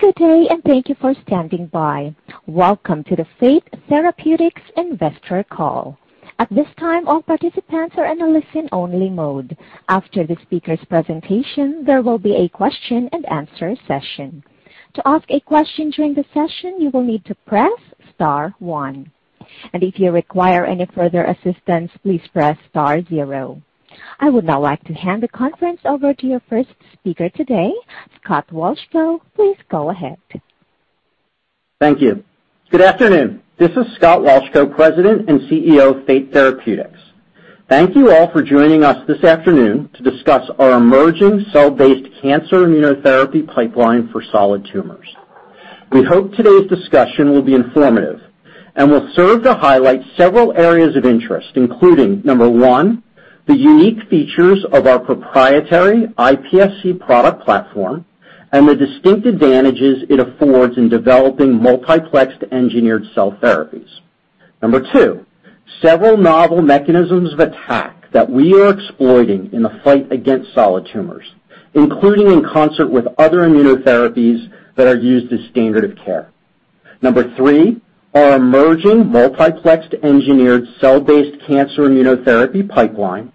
Good day, and thank you for standing by. Welcome to the Fate Therapeutics Investor Call. At this time, all participants are in a listen-only mode. After the speaker's presentation, there will be a question-and-answer session. To ask a question during the session, you will need to press star one. If you require any further assistance, please press star zero. I would now like to hand the conference over to your first speaker today, Scott Wolchko. Please go ahead. Thank you. Good afternoon. This is Scott Wolchko, President and CEO of Fate Therapeutics. Thank you all for joining us this afternoon to discuss our emerging cell-based cancer immunotherapy pipeline for solid tumors. We hope today's discussion will be informative and will serve to highlight several areas of interest, including, number one, the unique features of our proprietary iPSC product platform and the distinct advantages it affords in developing multiplexed engineered cell therapies. Number two, several novel mechanisms of attack that we are exploiting in the fight against solid tumors, including in concert with other immunotherapies that are used as standard of care. Number three, our emerging multiplexed engineered cell-based cancer immunotherapy pipeline,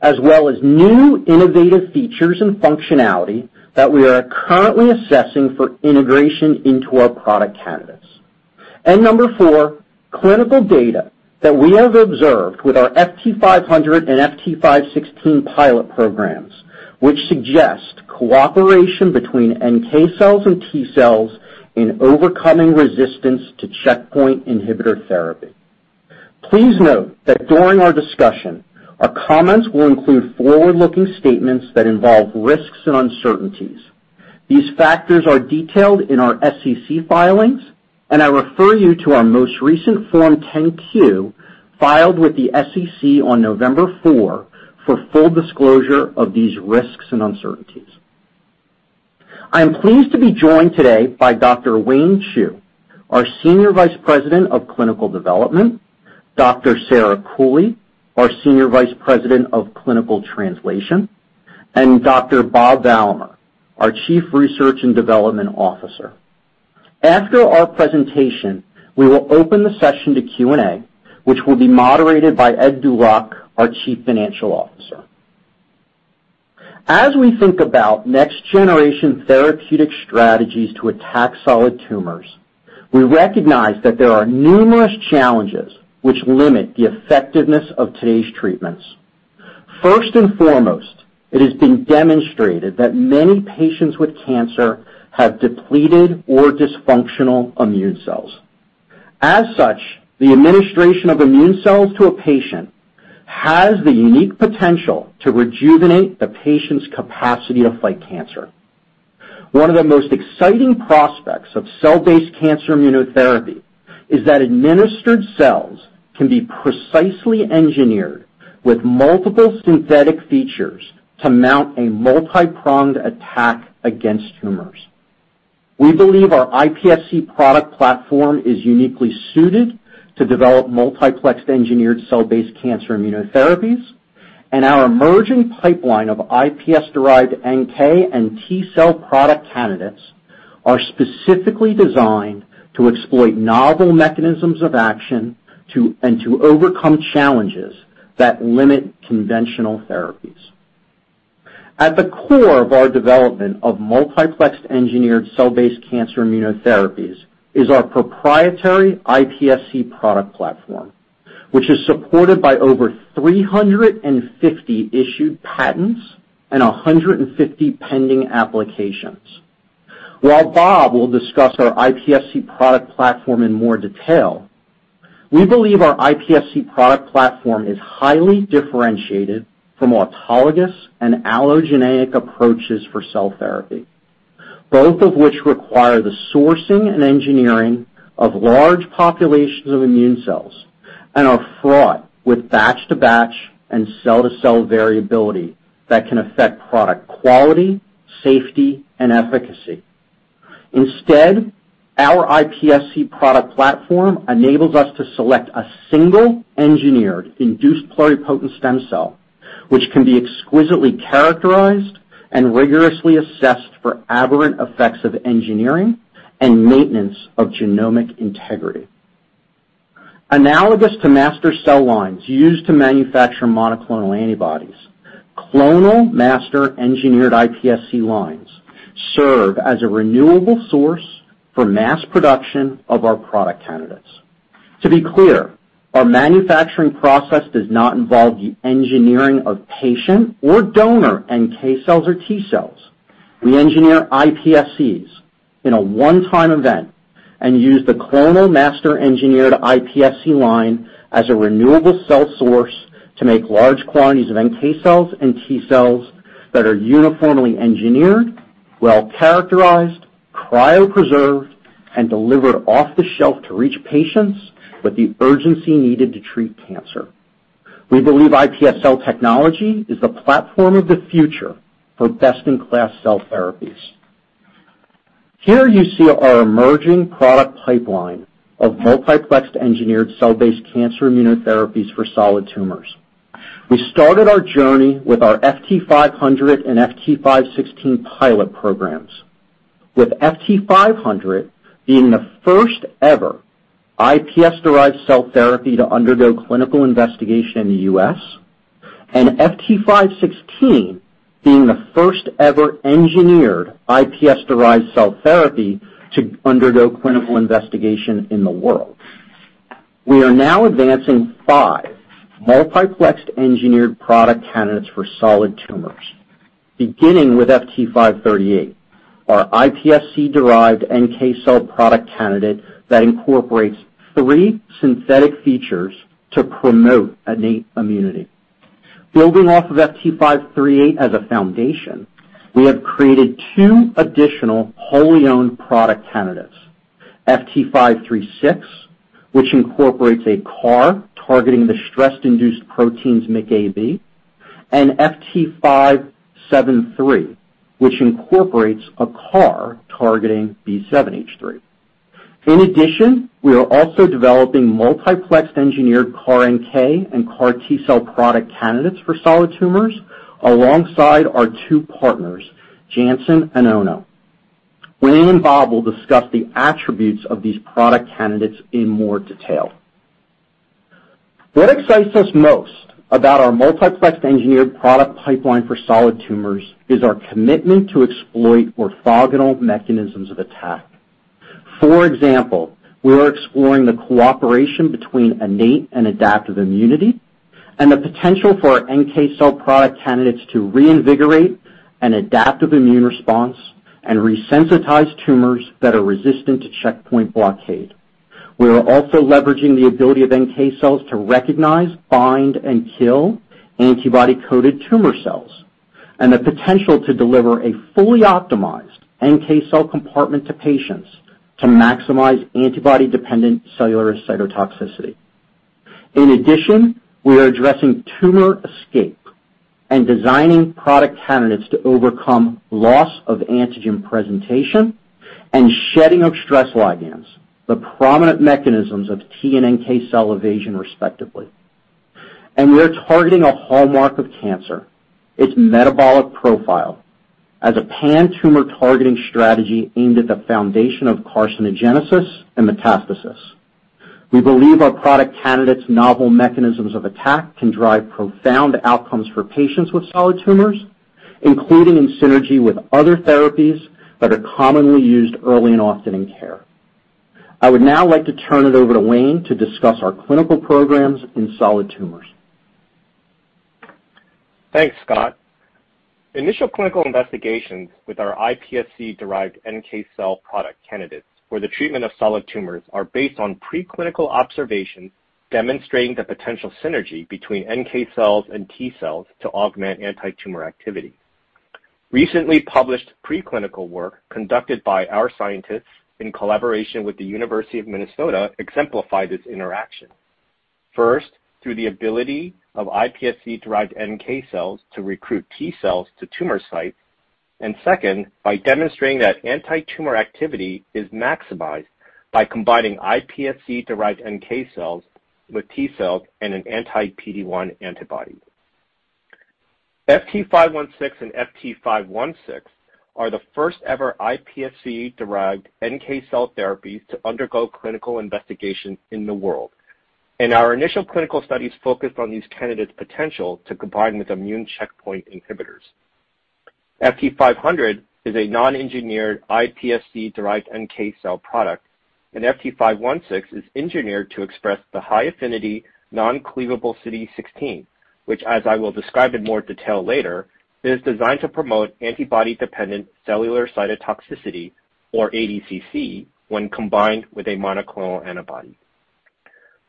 as well as new innovative features and functionality that we are currently assessing for integration into our product candidates. Number four, clinical data that we have observed with our FT500 and FT516 pilot programs, which suggest cooperation between NK cells and T cells in overcoming resistance to checkpoint inhibitor therapy. Please note that during our discussion, our comments will include forward-looking statements that involve risks and uncertainties. These factors are detailed in our SEC filings, and I refer you to our most recent Form 10-Q filed with the SEC on November 4 for full disclosure of these risks and uncertainties. I am pleased to be joined today by Dr. Wayne Chu, our Senior Vice President of Clinical Development, Dr. Sarah Cooley, our Senior Vice President of Clinical Translation, and Dr. Bob Valamehr, our Chief Research and Development Officer. After our presentation, we will open the session to Q&A, which will be moderated by Ed Dulac, our Chief Financial Officer. As we think about next-generation therapeutic strategies to attack solid tumors, we recognize that there are numerous challenges which limit the effectiveness of today's treatments. First and foremost, it has been demonstrated that many patients with cancer have depleted or dysfunctional immune cells. As such, the administration of immune cells to a patient has the unique potential to rejuvenate the patient's capacity to fight cancer. One of the most exciting prospects of cell-based cancer immunotherapy is that administered cells can be precisely engineered with multiple synthetic features to mount a multipronged attack against tumors. We believe our iPSC product platform is uniquely suited to develop multiplex engineered cell-based cancer immunotherapies, and our emerging pipeline of iPSC-derived NK and T cell product candidates are specifically designed to exploit novel mechanisms of action and to overcome challenges that limit conventional therapies. At the core of our development of multiplex engineered cell-based cancer immunotherapies is our proprietary iPSC product platform, which is supported by over 350 issued patents and 150 pending applications. While Bob will discuss our iPSC product platform in more detail, we believe our iPSC product platform is highly differentiated from autologous and allogeneic approaches for cell therapy, both of which require the sourcing and engineering of large populations of immune cells and are fraught with batch-to-batch and cell-to-cell variability that can affect product quality, safety, and efficacy. Instead, our iPSC product platform enables us to select a single engineered induced pluripotent stem cell, which can be exquisitely characterized and rigorously assessed for aberrant effects of engineering and maintenance of genomic integrity. Analogous to master cell lines used to manufacture monoclonal antibodies, clonal master engineered iPSC lines serve as a renewable source for mass production of our product candidates. To be clear, our manufacturing process does not involve the engineering of patient or donor NK cells or T cells. We engineer iPSCs in a one-time event and use the clonal master-engineered iPSC line as a renewable cell source to make large quantities of NK cells and T cells that are uniformly engineered, well-characterized, cryopreserved, and delivered off the shelf to reach patients with the urgency needed to treat cancer. We believe iPS cell technology is the platform of the future for best-in-class cell therapies. Here you see our emerging product pipeline of multiplex engineered cell-based cancer immunotherapies for solid tumors. We started our journey with our FT500 and FT516 pilot programs, with FT500 being the first-ever iPSC-derived cell therapy to undergo clinical investigation in the U.S., and FT516 being the first-ever engineered iPSC-derived cell therapy to undergo clinical investigation in the world. We are now advancing five multiplex engineered product candidates for solid tumors, beginning with FT538, our iPSC-derived NK cell product candidate that incorporates three synthetic features to promote innate immunity. Building off of FT538 as a foundation, we have created two additional wholly-owned product candidates, FT536, which incorporates a CAR targeting the stress-induced proteins MICA/B, and FT573, which incorporates a CAR targeting B7H3. In addition, we are also developing multiplex engineered CAR NK and CAR T-cell product candidates for solid tumors alongside our two partners, Janssen and Ono. Wayne and Bob will discuss the attributes of these product candidates in more detail. What excites us most about our multiplex engineered product pipeline for solid tumors is our commitment to exploit orthogonal mechanisms of attack. For example, we are exploring the cooperation between innate and adaptive immunity and the potential for our NK cell product candidates to reinvigorate an adaptive immune response and resensitize tumors that are resistant to checkpoint blockade. We are also leveraging the ability of NK cells to recognize, bind, and kill antibody-coated tumor cells, and the potential to deliver a fully optimized NK cell compartment to patients to maximize antibody-dependent cellular cytotoxicity. In addition, we are addressing tumor escape and designing product candidates to overcome loss of antigen presentation and shedding of stress ligands, the prominent mechanisms of T and NK cell evasion, respectively. We are targeting a hallmark of cancer, its metabolic profile, as a pan-tumor targeting strategy aimed at the foundation of carcinogenesis and metastasis. We believe our product candidates' novel mechanisms of attack can drive profound outcomes for patients with solid tumors, including in synergy with other therapies that are commonly used early and often in care. I would now like to turn it over to Wayne to discuss our clinical programs in solid tumors. Thanks, Scott. Initial clinical investigations with our iPSC-derived NK cell product candidates for the treatment of solid tumors are based on preclinical observations demonstrating the potential synergy between NK cells and T cells to augment antitumor activity. Recently published preclinical work conducted by our scientists in collaboration with the University of Minnesota exemplified this interaction. First, through the ability of iPSC-derived NK cells to recruit T cells to tumor sites. Second, by demonstrating that antitumor activity is maximized by combining iPSC-derived NK cells with T cells and an anti-PD-1 antibody. FT500 and FT516 are the first-ever iPSC-derived NK cell therapies to undergo clinical investigation in the world. Our initial clinical studies focused on these candidates' potential to combine with immune checkpoint inhibitors. FT500 is a non-engineered iPSC-derived NK cell product, and FT516 is engineered to express the high-affinity non-cleavable CD16, which, as I will describe in more detail later, is designed to promote antibody-dependent cellular cytotoxicity, or ADCC, when combined with a monoclonal antibody.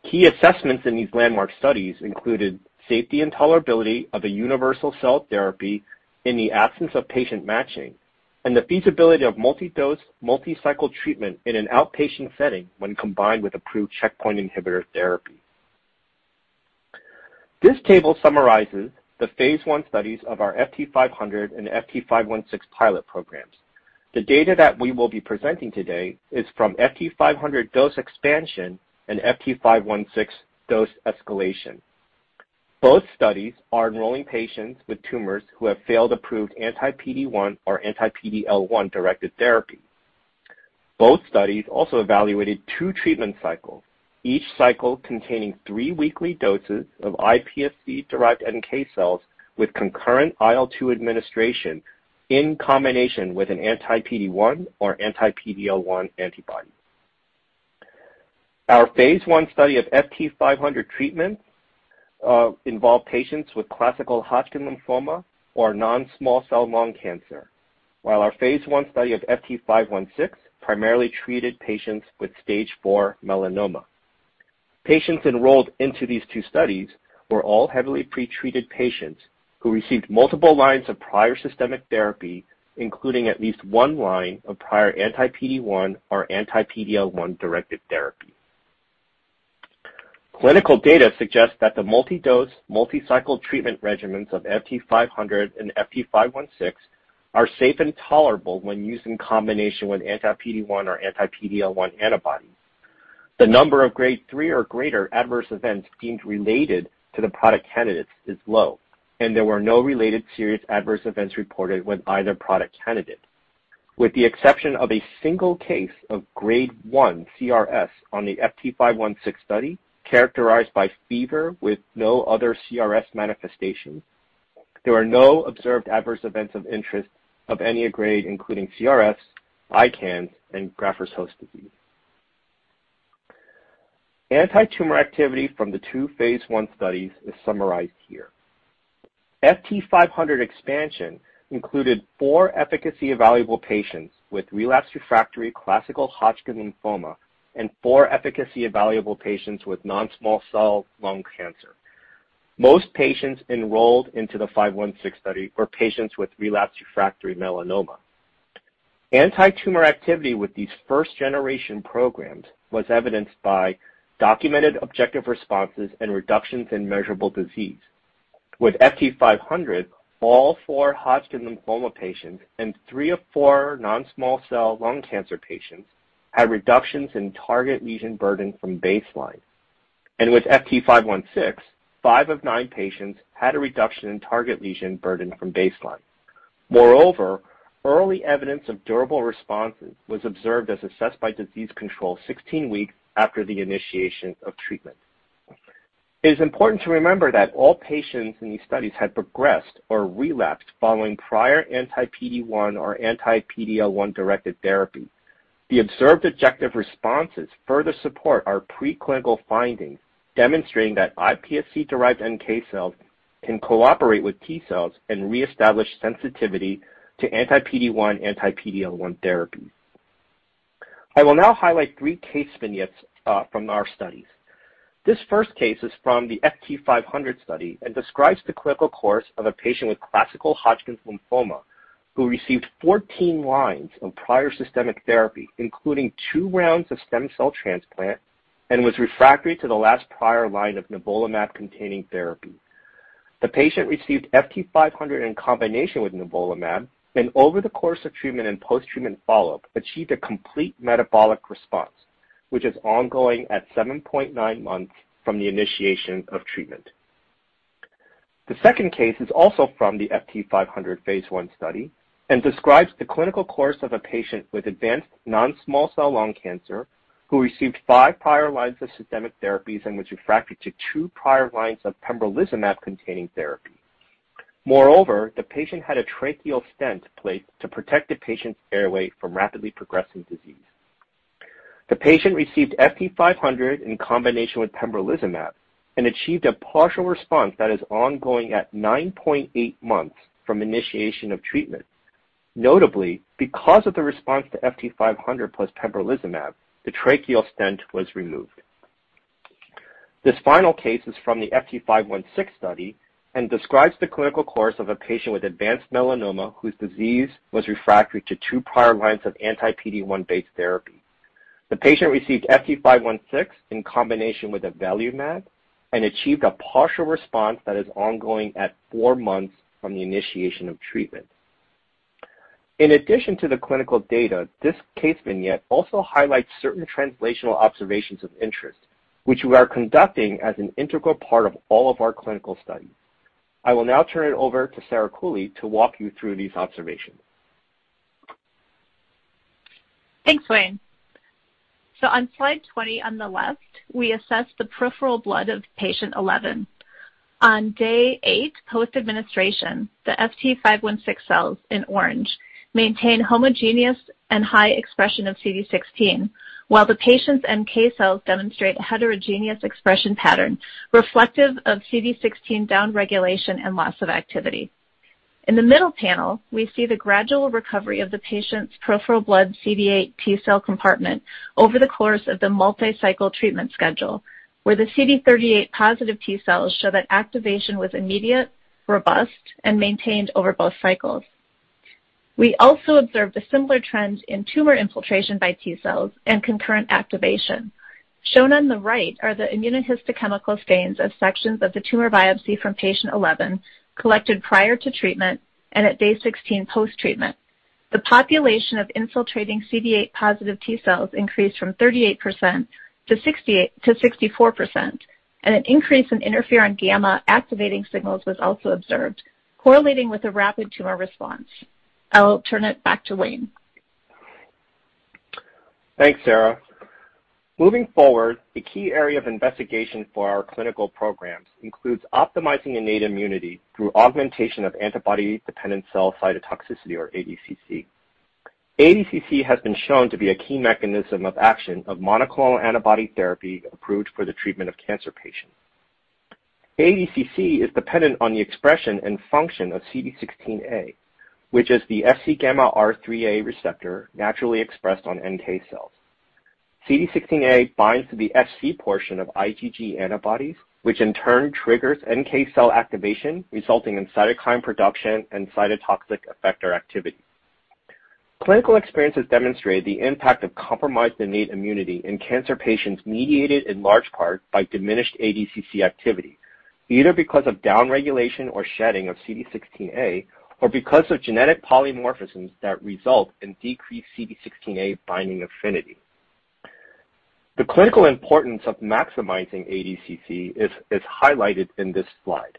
Key assessments in these landmark studies included safety and tolerability of a universal cell therapy in the absence of patient matching, and the feasibility of multi-dose, multi-cycle treatment in an outpatient setting when combined with approved checkpoint inhibitor therapy. This table summarizes the phase I studies of our FT500 and FT516 pilot programs. The data that we will be presenting today is from FT500 dose expansion and FT516 dose escalation. Both studies are enrolling patients with tumors who have failed approved anti-PD-1 or anti-PD-L1-directed therapy. Both studies also evaluated two treatment cycles, each cycle containing three weekly doses of iPSC-derived NK cells with concurrent IL-2 administration in combination with an anti-PD-1 or anti-PD-L1 antibody. Our phase I study of FT500 treatments involve patients with classical Hodgkin lymphoma or non-small cell lung cancer, while our phase I study of FT516 primarily treated patients with stage 4 melanoma. Patients enrolled into these two studies were all heavily pretreated patients who received multiple lines of prior systemic therapy, including at least one line of prior anti-PD-1 or anti-PD-L1-directed therapy. Clinical data suggests that the multi-dose, multi-cycle treatment regimens of FT500 and FT516 are safe and tolerable when used in combination with anti-PD-1 or anti-PD-L1 antibodies. The number of grade 3 or greater adverse events deemed related to the product candidates is low, and there were no related serious adverse events reported with either product candidate. With the exception of a single case of grade 1 CRS on the FT516 study, characterized by fever with no other CRS manifestation, there are no observed adverse events of interest of any grade, including CRS, ICANS, and graft-versus-host disease. Antitumor activity from the two phase I studies is summarized here. FT500 expansion included four efficacy-evaluable patients with relapsed refractory classical Hodgkin lymphoma and four efficacy-evaluable patients with non-small cell lung cancer. Most patients enrolled into the FT516 study were patients with relapsed refractory melanoma. Antitumor activity with these first generation programs was evidenced by documented objective responses and reductions in measurable disease. With FT500, all four Hodgkin lymphoma patients and three of four non-small cell lung cancer patients had reductions in target lesion burden from baseline. With FT516, five of nine patients had a reduction in target lesion burden from baseline. Moreover, early evidence of durable responses was observed as assessed by disease control 16 weeks after the initiation of treatment. It is important to remember that all patients in these studies had progressed or relapsed following prior anti-PD-1 or anti-PD-L1-directed therapy. The observed objective responses further support our preclinical findings demonstrating that iPSC-derived NK cells can cooperate with T cells and reestablish sensitivity to anti-PD-1, anti-PD-L1 therapy. I will now highlight three case vignettes from our studies. This first case is from the FT500 study and describes the clinical course of a patient with classical Hodgkin lymphoma who received 14 lines of prior systemic therapy, including two rounds of stem cell transplant, and was refractory to the last prior line of nivolumab-containing therapy. The patient received FT500 in combination with nivolumab and over the course of treatment and post-treatment follow-up, achieved a complete metabolic response, which is ongoing at 7.9 months from the initiation of treatment. The second case is also from the FT500 phase I study and describes the clinical course of a patient with advanced non-small cell lung cancer who received five prior lines of systemic therapies and was refractory to two prior lines of pembrolizumab-containing therapy. Moreover, the patient had a tracheal stent placed to protect the patient's airway from rapidly progressing disease. The patient received FT500 in combination with pembrolizumab and achieved a partial response that is ongoing at 9.8 months from initiation of treatment. Notably, because of the response to FT500 plus pembrolizumab, the tracheal stent was removed. This final case is from the FT516 study and describes the clinical course of a patient with advanced melanoma whose disease was refractory to two prior lines of anti-PD-1-based therapy. The patient received FT516 in combination with avelumab and achieved a partial response that is ongoing at four months from the initiation of treatment. In addition to the clinical data, this case vignette also highlights certain translational observations of interest, which we are conducting as an integral part of all of our clinical studies. I will now turn it over to Sarah Cooley to walk you through these observations. Thanks, Wayne. On slide 20 on the left, we assess the peripheral blood of patient 11. On day eight post-administration, the FT516 cells in orange maintain homogeneous and high expression of CD16 while the patient's NK cells demonstrate heterogeneous expression pattern reflective of CD16 downregulation and loss of activity. In the middle panel, we see the gradual recovery of the patient's peripheral blood CD8 T cell compartment over the course of the multi-cycle treatment schedule, where the CD38 positive T cells show that activation was immediate, robust, and maintained over both cycles. We also observed a similar trend in tumor infiltration by T cells and concurrent activation. Shown on the right are the immunohistochemical stains of sections of the tumor biopsy from patient 11 collected prior to treatment and at day 16 post-treatment. The population of infiltrating CD8-positive T cells increased from 38% to 64%, and an increase in interferon gamma activating signals was also observed correlating with a rapid tumor response. I'll turn it back to Wayne. Thanks, Sarah. Moving forward, the key area of investigation for our clinical programs includes optimizing innate immunity through augmentation of antibody-dependent cell cytotoxicity or ADCC. ADCC has been shown to be a key mechanism of action of monoclonal antibody therapy approved for the treatment of cancer patients. ADCC is dependent on the expression and function of CD16A, which is the FcγRIIIa receptor naturally expressed on NK cells. CD16A binds to the Fc portion of IgG antibodies, which in turn triggers NK cell activation, resulting in cytokine production and cytotoxic effector activity. Clinical experience has demonstrated the impact of compromised innate immunity in cancer patients mediated in large part by diminished ADCC activity, either because of downregulation or shedding of CD16A or because of genetic polymorphisms that result in decreased CD16A binding affinity. The clinical importance of maximizing ADCC is highlighted in this slide.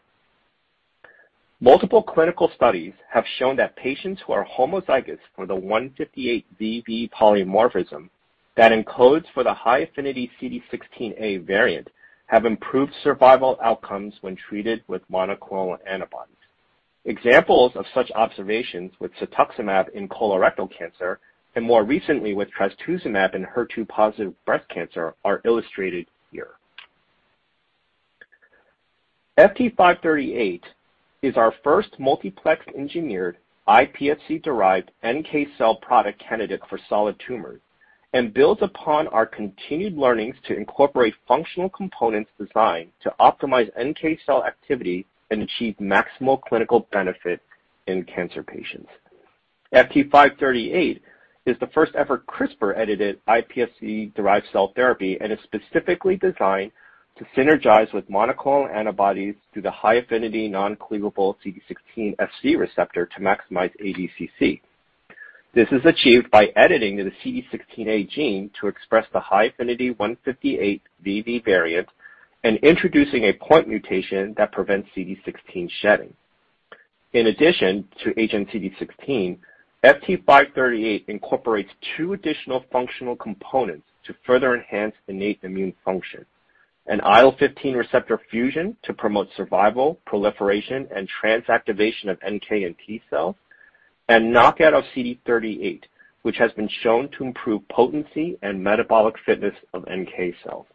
Multiple clinical studies have shown that patients who are homozygous for the 158V/V polymorphism that encodes for the high-affinity CD16A variant have improved survival outcomes when treated with monoclonal antibodies. Examples of such observations with cetuximab in colorectal cancer, and more recently with trastuzumab in HER2-positive breast cancer are illustrated here. FT538 is our first multiplex-engineered iPSC-derived NK cell product candidate for solid tumors and builds upon our continued learnings to incorporate functional components designed to optimize NK cell activity and achieve maximal clinical benefit in cancer patients. FT538 is the first-ever CRISPR-edited iPSC-derived cell therapy and is specifically designed to synergize with monoclonal antibodies through the high-affinity non-cleavable CD16 Fc receptor to maximize ADCC. This is achieved by editing the CD16A gene to express the high-affinity 158V/V variant and introducing a point mutation that prevents CD16 shedding. In addition to hnCD16, FT538 incorporates two additional functional components to further enhance innate immune function. An IL-15 receptor fusion to promote survival, proliferation, and transactivation of NK and T cells, and knockout of CD38, which has been shown to improve potency and metabolic fitness of NK cells.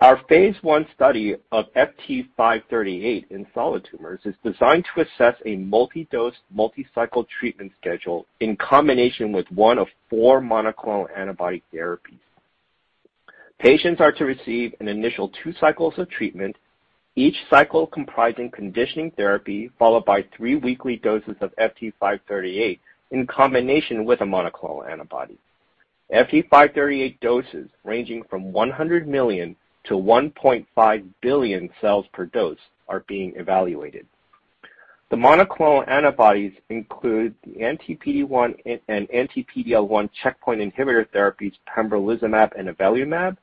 Our phase I study of FT538 in solid tumors is designed to assess a multi-dose, multi-cycle treatment schedule in combination with one of four monoclonal antibody therapies. Patients are to receive an initial two cycles of treatment, each cycle comprising conditioning therapy, followed by three weekly doses of FT538 in combination with a monoclonal antibody. FT538 doses ranging from 100 million-1.5 billion cells per dose are being evaluated. The monoclonal antibodies include the anti-PD-1 and anti-PD-L1 checkpoint inhibitor therapies pembrolizumab and avelumab,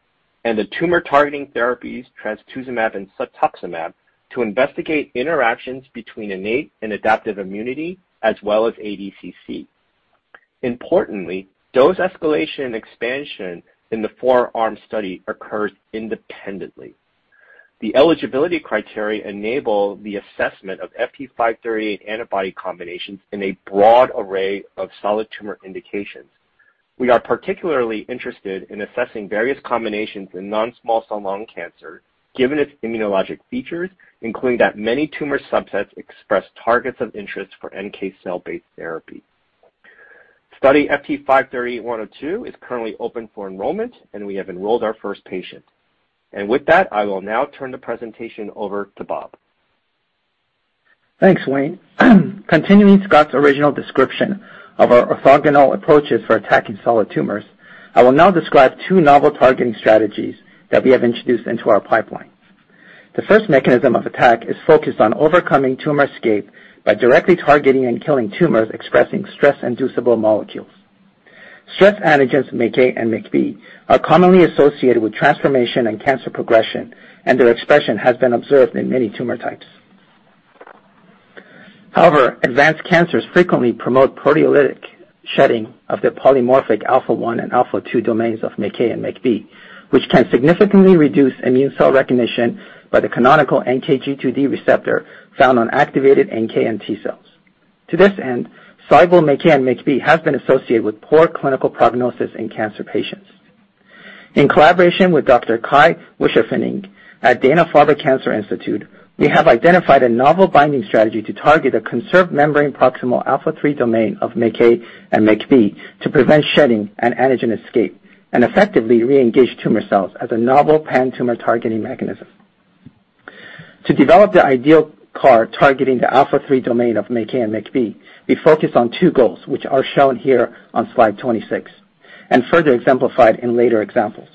and the tumor-targeting therapies trastuzumab and cetuximab to investigate interactions between innate and adaptive immunity as well as ADCC. Importantly, dose escalation and expansion in the four-arm study occurs independently. The eligibility criteria enable the assessment of FT538 antibody combinations in a broad array of solid tumor indications. We are particularly interested in assessing various combinations in non-small cell lung cancer, given its immunologic features, including that many tumor subsets express targets of interest for NK cell-based therapy. Study FT538-102 is currently open for enrollment, and we have enrolled our first patient. With that, I will now turn the presentation over to Bob. Thanks, Wayne. Continuing Scott's original description of our orthogonal approaches for attacking solid tumors, I will now describe two novel targeting strategies that we have introduced into our pipeline. The first mechanism of attack is focused on overcoming tumor escape by directly targeting and killing tumors expressing stress-inducible molecules. Stress antigens MICA and MICB are commonly associated with transformation and cancer progression, and their expression has been observed in many tumor types. However, advanced cancers frequently promote proteolytic shedding of the polymorphic alpha one and alpha two domains of MICA and MICB, which can significantly reduce immune cell recognition by the canonical NKG2D receptor found on activated NK and T cells. To this end, soluble MICA and MICB has been associated with poor clinical prognosis in cancer patients. In collaboration with Dr. Kai W. Wucherpfennig at Dana-Farber Cancer Institute, we have identified a novel binding strategy to target a conserved membrane-proximal alpha three domain of MICA and MICB to prevent shedding and antigen escape and effectively reengage tumor cells as a novel pan-tumor targeting mechanism. To develop the ideal CAR targeting the alpha three domain of MICA and MICB, we focused on two goals, which are shown here on slide 26 and further exemplified in later examples.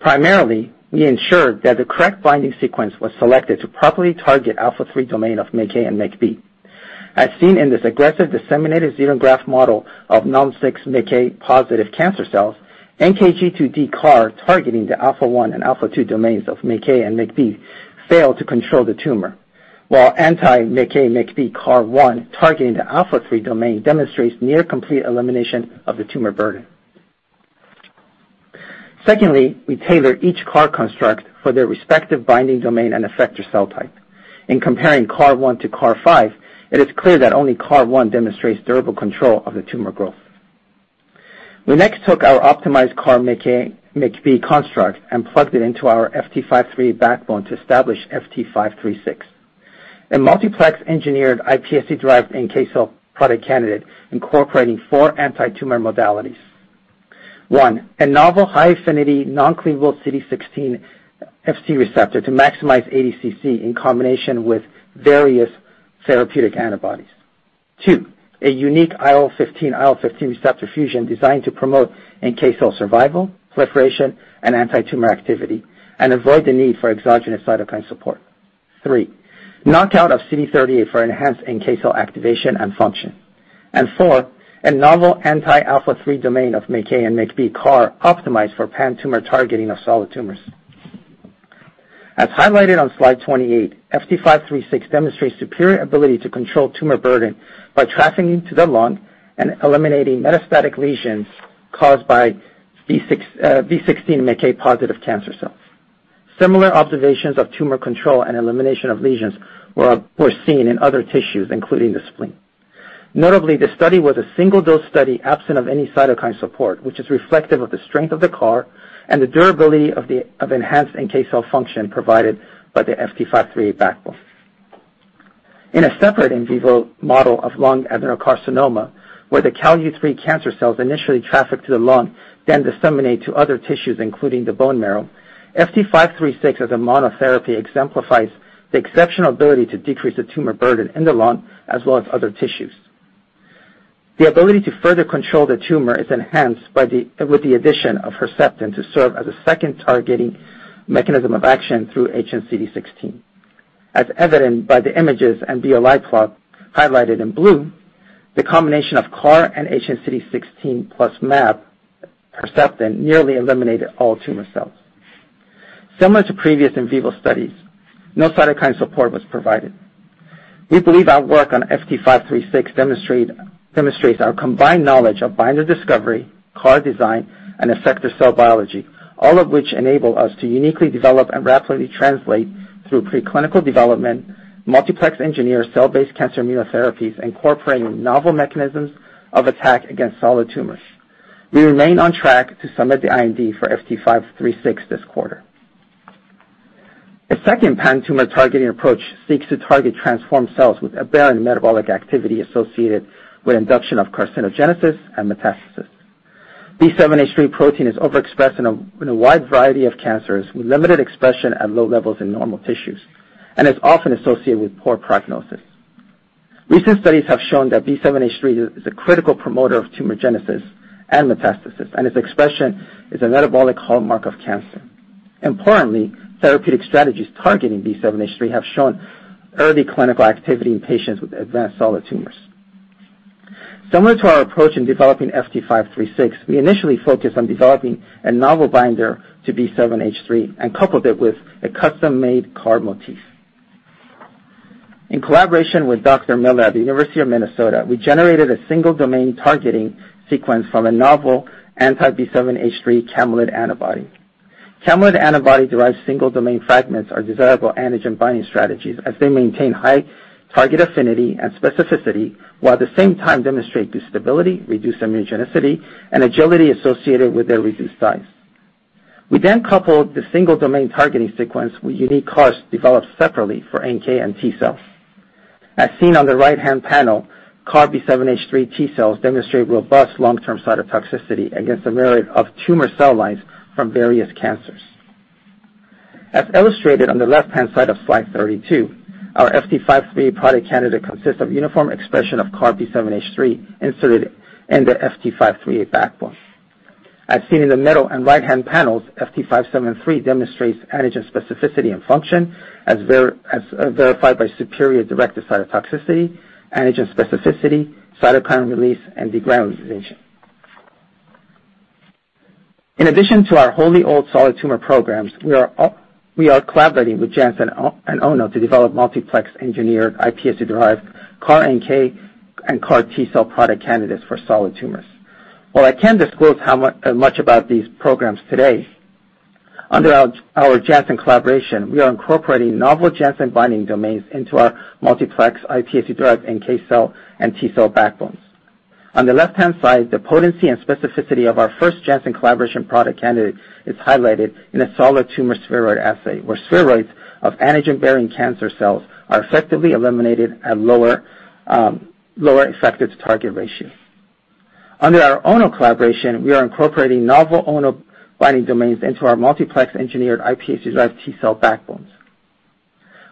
Primarily, we ensured that the correct binding sequence was selected to properly target alpha three domain of MICA and MICB. As seen in this aggressive disseminated xenograft model of NALM-6 MICA-positive cancer cells, NKG2D CAR targeting the alpha one and alpha two domains of MICA and MICB failed to control the tumor, while anti-MICA/MICB CAR1 targeting the alpha three domain demonstrates near complete elimination of the tumor burden. Secondly, we tailored each CAR construct for their respective binding domain and effector cell type. In comparing CAR1 to CAR5, it is clear that only CAR1 demonstrates durable control of the tumor growth. We next took our optimized CAR MICA/MICB construct and plugged it into our FT538 backbone to establish FT536, a multiplex-engineered iPSC-derived NK cell product candidate incorporating four antitumor modalities. One, a novel high-affinity non-cleavable CD16 Fc receptor to maximize ADCC in combination with various therapeutic antibodies. Two, a unique IL-15, IL-15 receptor fusion designed to promote NK cell survival, proliferation, and antitumor activity, and avoid the need for exogenous cytokine support. Three, knockout of CD38 for enhanced NK cell activation and function. And four, a novel anti alpha-three domain of MICA and MICB CAR optimized for pan-tumor targeting of solid tumors. As highlighted on slide 28, FT536 demonstrates superior ability to control tumor burden by trafficking to the lung and eliminating metastatic lesions caused by B16 MEK-positive cancer cells. Similar observations of tumor control and elimination of lesions were seen in other tissues, including the spleen. Notably, the study was a single-dose study absent of any cytokine support, which is reflective of the strength of the CAR and the durability of enhanced NK cell function provided by the FT538 backbone. In a separate in vivo model of lung adenocarcinoma, where the Calu-3 cancer cells initially traffic to the lung, then disseminate to other tissues, including the bone marrow, FT536 as a monotherapy exemplifies the exceptional ability to decrease the tumor burden in the lung as well as other tissues. The ability to further control the tumor is enhanced with the addition of Herceptin to serve as a second targeting mechanism of action through hnCD16. As evident by the images and BLI plot highlighted in blue, the combination of CAR and hnCD16 plus mAb Herceptin nearly eliminated all tumor cells. Similar to previous in vivo studies, no cytokine support was provided. We believe our work on FT536 demonstrates our combined knowledge of binder discovery, CAR design, and effector cell biology, all of which enable us to uniquely develop and rapidly translate through preclinical development, multiplex engineer cell-based cancer immunotherapies incorporating novel mechanisms of attack against solid tumors. We remain on track to submit the IND for FT536 this quarter. A second pan-tumor targeting approach seeks to target transformed cells with aberrant metabolic activity associated with induction of carcinogenesis and metastasis. B7-H3 protein is overexpressed in a wide variety of cancers with limited expression at low levels in normal tissues and is often associated with poor prognosis. Recent studies have shown that B7H3 is a critical promoter of tumorigenesis and metastasis, and its expression is a metabolic hallmark of cancer. Importantly, therapeutic strategies targeting B7H3 have shown early clinical activity in patients with advanced solid tumors. Similar to our approach in developing FT536, we initially focused on developing a novel binder to B7H3 and coupled it with a custom-made CAR motif. In collaboration with Dr. Miller at the University of Minnesota, we generated a single-domain targeting sequence from a novel anti-B7H3 camelid antibody. Camelid antibody-derived single-domain fragments are desirable antigen-binding strategies as they maintain high target affinity and specificity, while at the same time demonstrate stability, reduced immunogenicity, and agility associated with their reduced size. We then coupled the single-domain targeting sequence with unique CARs developed separately for NK and T cells. As seen on the right-hand panel, CAR B7H3 T cells demonstrate robust long-term cytotoxicity against a myriad of tumor cell lines from various cancers. As illustrated on the left-hand side of slide 32, our FT538 product candidate consists of uniform expression of CAR B7H3 inserted in the FT538 backbone. As seen in the middle and right-hand panels, FT573 demonstrates antigen specificity and function as verified by superior directed cytotoxicity, antigen specificity, cytokine release, and degranulation. In addition to our wholly-owned solid tumor programs, we are collaborating with Janssen and Ono to develop multiplex engineered iPSC-derived CAR NK and CAR T cell product candidates for solid tumors. While I can't disclose how much about these programs today, under our Janssen collaboration, we are incorporating novel Janssen binding domains into our multiplex iPSC-derived NK cell and T cell backbones. On the left-hand side, the potency and specificity of our first Janssen collaboration product candidate is highlighted in a solid tumor spheroid assay, where spheroids of antigen-bearing cancer cells are effectively eliminated at lower effector-to-target ratio. Under our Ono collaboration, we are incorporating novel Ono binding domains into our multiplex engineered iPSC-derived T cell backbones.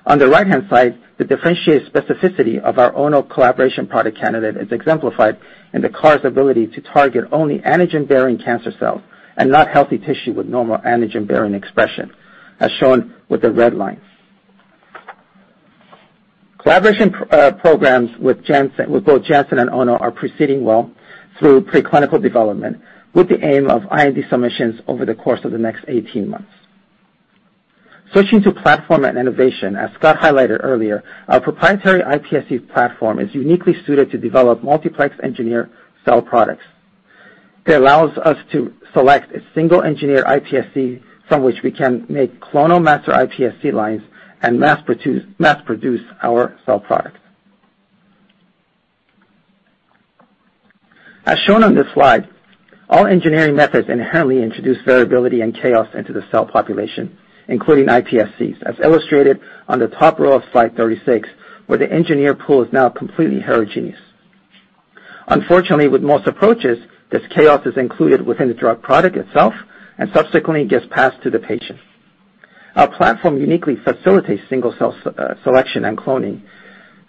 On the right-hand side, the differentiated specificity of our Ono collaboration product candidate is exemplified in the CAR's ability to target only antigen-bearing cancer cells and not healthy tissue with normal antigen-bearing expression, as shown with the red lines. Collaboration programs with Janssen, with both Janssen and Ono, are proceeding well through preclinical development, with the aim of IND submissions over the course of the next 18 months. Switching to platform and innovation, as Scott highlighted earlier, our proprietary iPSC platform is uniquely suited to develop multiplex engineered cell products. It allows us to select a single engineered iPSC from which we can make clonal master iPSC lines and mass produce our cell products. As shown on this slide, all engineering methods inherently introduce variability and chaos into the cell population, including iPSCs, as illustrated on the top row of slide 36, where the engineered pool is now completely heterogeneous. Unfortunately, with most approaches, this chaos is included within the drug product itself and subsequently gets passed to the patient. Our platform uniquely facilitates single cell selection and cloning.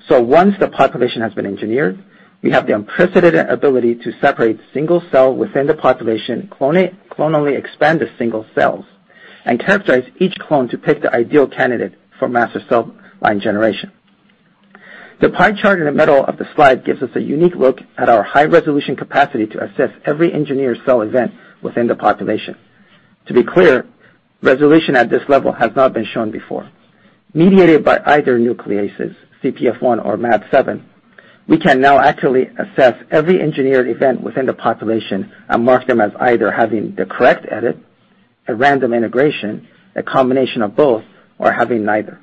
Once the population has been engineered, we have the unprecedented ability to separate single cell within the population, clone it, clonally expand the single cells, and characterize each clone to pick the ideal candidate for master cell line generation. The pie chart in the middle of the slide gives us a unique look at our high-resolution capacity to assess every engineered cell event within the population. To be clear, resolution at this level has not been shown before. Mediated by either nucleases Cpf1 or MAD7, we can now actually assess every engineered event within the population and mark them as either having the correct edit, a random integration, a combination of both, or having neither.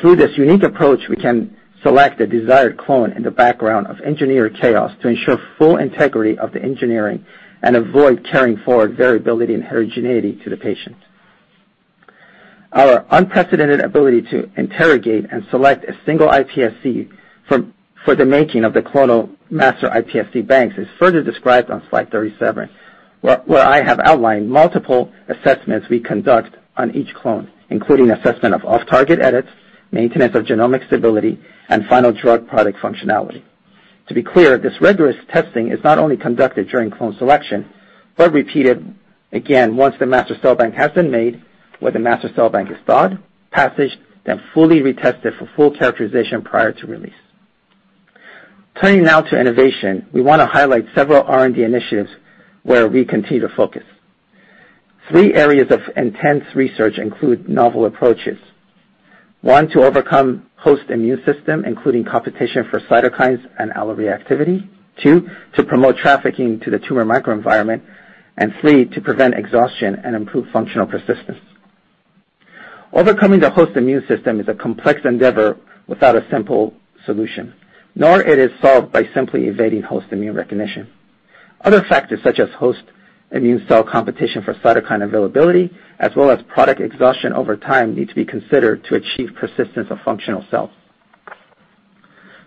Through this unique approach, we can select the desired clone in the background of engineered chaos to ensure full integrity of the engineering and avoid carrying forward variability and heterogeneity to the patient. Our unprecedented ability to interrogate and select a single iPSC for the making of the clonal master iPSC banks is further described on slide 37, where I have outlined multiple assessments we conduct on each clone, including assessment of off-target edits, maintenance of genomic stability, and final drug product functionality. To be clear, this rigorous testing is not only conducted during clone selection, but repeated again once the master cell bank has been made, where the master cell bank is thawed, passaged, then fully retested for full characterization prior to release. Turning now to innovation, we want to highlight several R&D initiatives where we continue to focus. Three areas of intense research include novel approaches. One, to overcome host immune system, including competition for cytokines and alloreactivity, two, to promote trafficking to the tumor microenvironment, and three, to prevent exhaustion and improve functional persistence. Overcoming the host immune system is a complex endeavor without a simple solution, nor is it solved by simply evading host immune recognition. Other factors such as host immune cell competition for cytokine availability, as well as product exhaustion over time, need to be considered to achieve persistence of functional cells.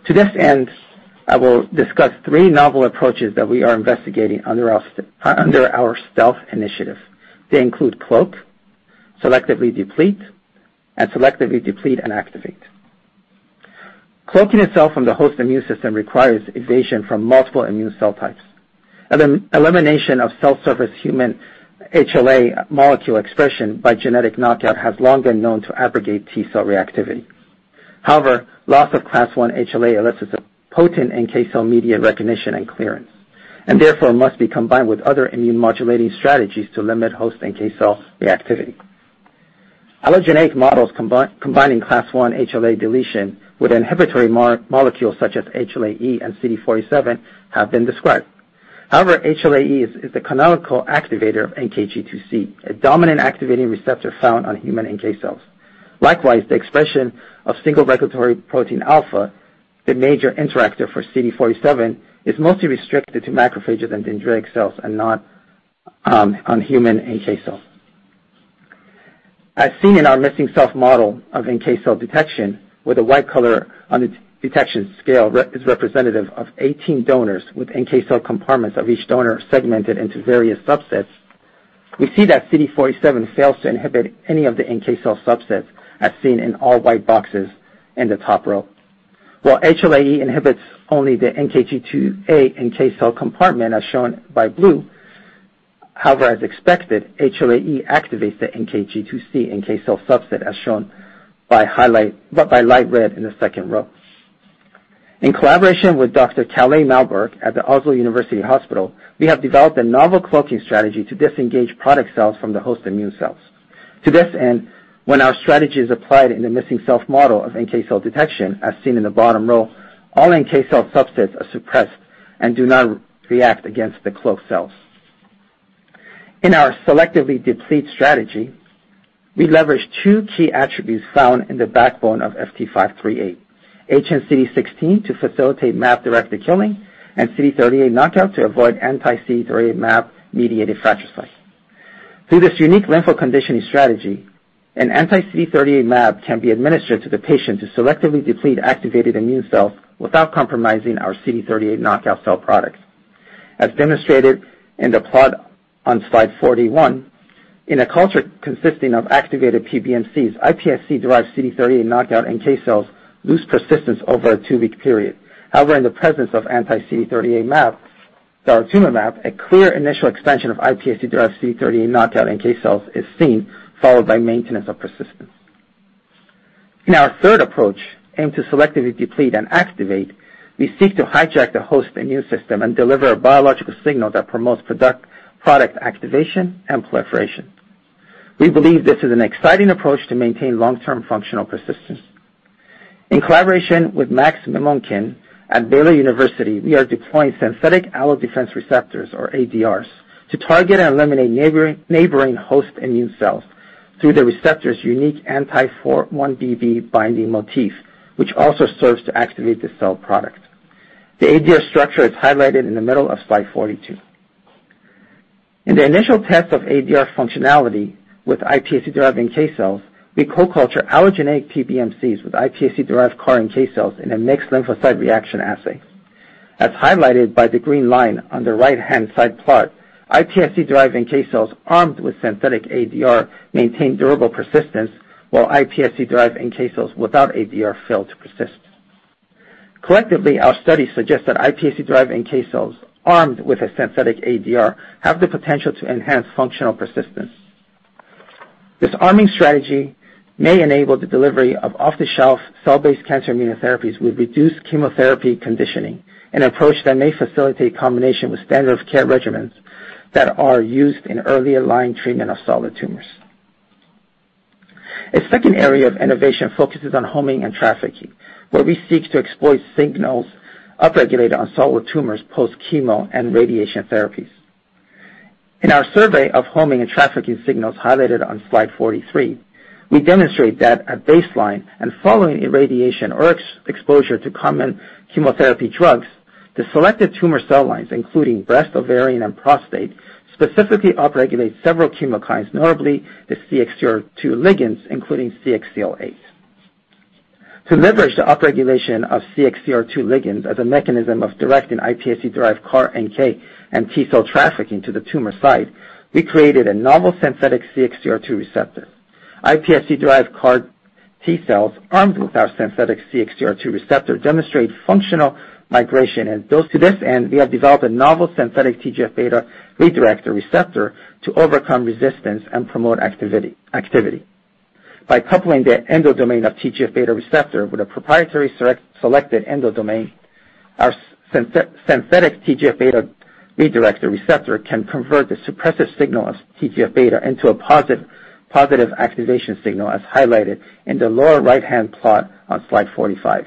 To this end, I will discuss three novel approaches that we are investigating under our Stealth initiative. They include cloak, selectively deplete, and selectively deplete and activate. Cloaking itself from the host immune system requires evasion from multiple immune cell types. Elimination of cell surface human HLA molecule expression by genetic knockout has long been known to abrogate T cell reactivity. However, loss of class I HLA elicits a potent NK cell-mediated recognition and clearance, and therefore must be combined with other immune-modulating strategies to limit host NK cell reactivity. Allogeneic models combining class I HLA deletion with inhibitory molecules such as HLA-E and CD47 have been described. However, HLA-E is the canonical activator of NKG2C, a dominant activating receptor found on human NK cells. Likewise, the expression of signal regulatory protein alpha, the major interactor for CD47, is mostly restricted to macrophages and dendritic cells and not on human NK cells. As seen in our missing self model of NK cell detection, where the white color on the detection scale is representative of 18 donors with NK cell compartments of each donor segmented into various subsets, we see that CD47 fails to inhibit any of the NK cell subsets, as seen in all white boxes in the top row. While HLA-E inhibits only the NKG2A NK cell compartment, as shown by blue. However, as expected, HLA-E activates the NKG2C NK cell subset, as shown by light red in the second row. In collaboration with Dr. Karl-Johan Malmberg at the Oslo University Hospital, we have developed a novel cloaking strategy to disengage product cells from the host immune cells. To this end, when our strategy is applied in the missing self model of NK cell detection, as seen in the bottom row, all NK cell subsets are suppressed and do not react against the cloak cells. In our selectively deplete strategy, we leverage two key attributes found in the backbone of FT538, hnCD16 to facilitate MAP-directed killing, and CD38 knockout to avoid anti-CD38 MAP-mediated fratricide. Through this unique lympho-conditioning strategy, an anti-CD38 MAP can be administered to the patient to selectively deplete activated immune cells without compromising our CD38 knockout cell products. As demonstrated in the plot on slide 41, in a culture consisting of activated PBMCs, iPSC-derived CD38 knockout NK cells lose persistence over a two-week period. However, in the presence of anti-CD38 MAP daratumumab, a clear initial expansion of iPSC-derived CD38 knockout NK cells is seen, followed by maintenance of persistence. In our third approach, aimed to selectively deplete and activate, we seek to hijack the host immune system and deliver a biological signal that promotes product activation and proliferation. We believe this is an exciting approach to maintain long-term functional persistence. In collaboration with Maksim Mamonkin at Baylor College of Medicine, we are deploying synthetic allodefense receptors, or ADRs, to target and eliminate neighboring host immune cells through the receptor's unique anti-4-1BB binding motif, which also serves to activate the cell product. The ADR structure is highlighted in the middle of slide 42. In the initial test of ADR functionality with iPSC-derived NK cells, we co-culture allogeneic PBMCs with iPSC-derived CAR NK cells in a mixed lymphocyte reaction assay. As highlighted by the green line on the right-hand side plot, iPSC-derived NK cells armed with synthetic ADR maintain durable persistence, while iPSC-derived NK cells without ADR fail to persist. Collectively, our study suggests that iPSC-derived NK cells armed with a synthetic ADR have the potential to enhance functional persistence. This arming strategy may enable the delivery of off-the-shelf cell-based cancer immunotherapies with reduced chemotherapy conditioning, an approach that may facilitate combination with standard-of-care regimens that are used in earlier-line treatment of solid tumors. A second area of innovation focuses on homing and trafficking, where we seek to exploit signals upregulated on solid tumors post chemo and radiation therapies. In our survey of homing and trafficking signals highlighted on slide 43, we demonstrate that at baseline and following irradiation or exposure to common chemotherapy drugs, the selected tumor cell lines, including breast, ovarian, and prostate, specifically upregulate several chemokines, notably the CXCR2 ligands, including CXCL8. To leverage the upregulation of CXCR2 ligands as a mechanism of directing iPSC-derived CAR NK and T cell trafficking to the tumor site, we created a novel synthetic CXCR2 receptor. iPSC-derived CAR T cells armed with our synthetic CXCR2 receptor demonstrate functional migration. To this end, we have developed a novel synthetic TGF-beta redirector receptor to overcome resistance and promote activity. By coupling the endodomain of TGF-beta receptor with a proprietary selected endodomain, our synthetic TGF-beta redirector receptor can convert the suppressive signal of TGF-beta into a positive activation signal, as highlighted in the lower right-hand plot on slide 45.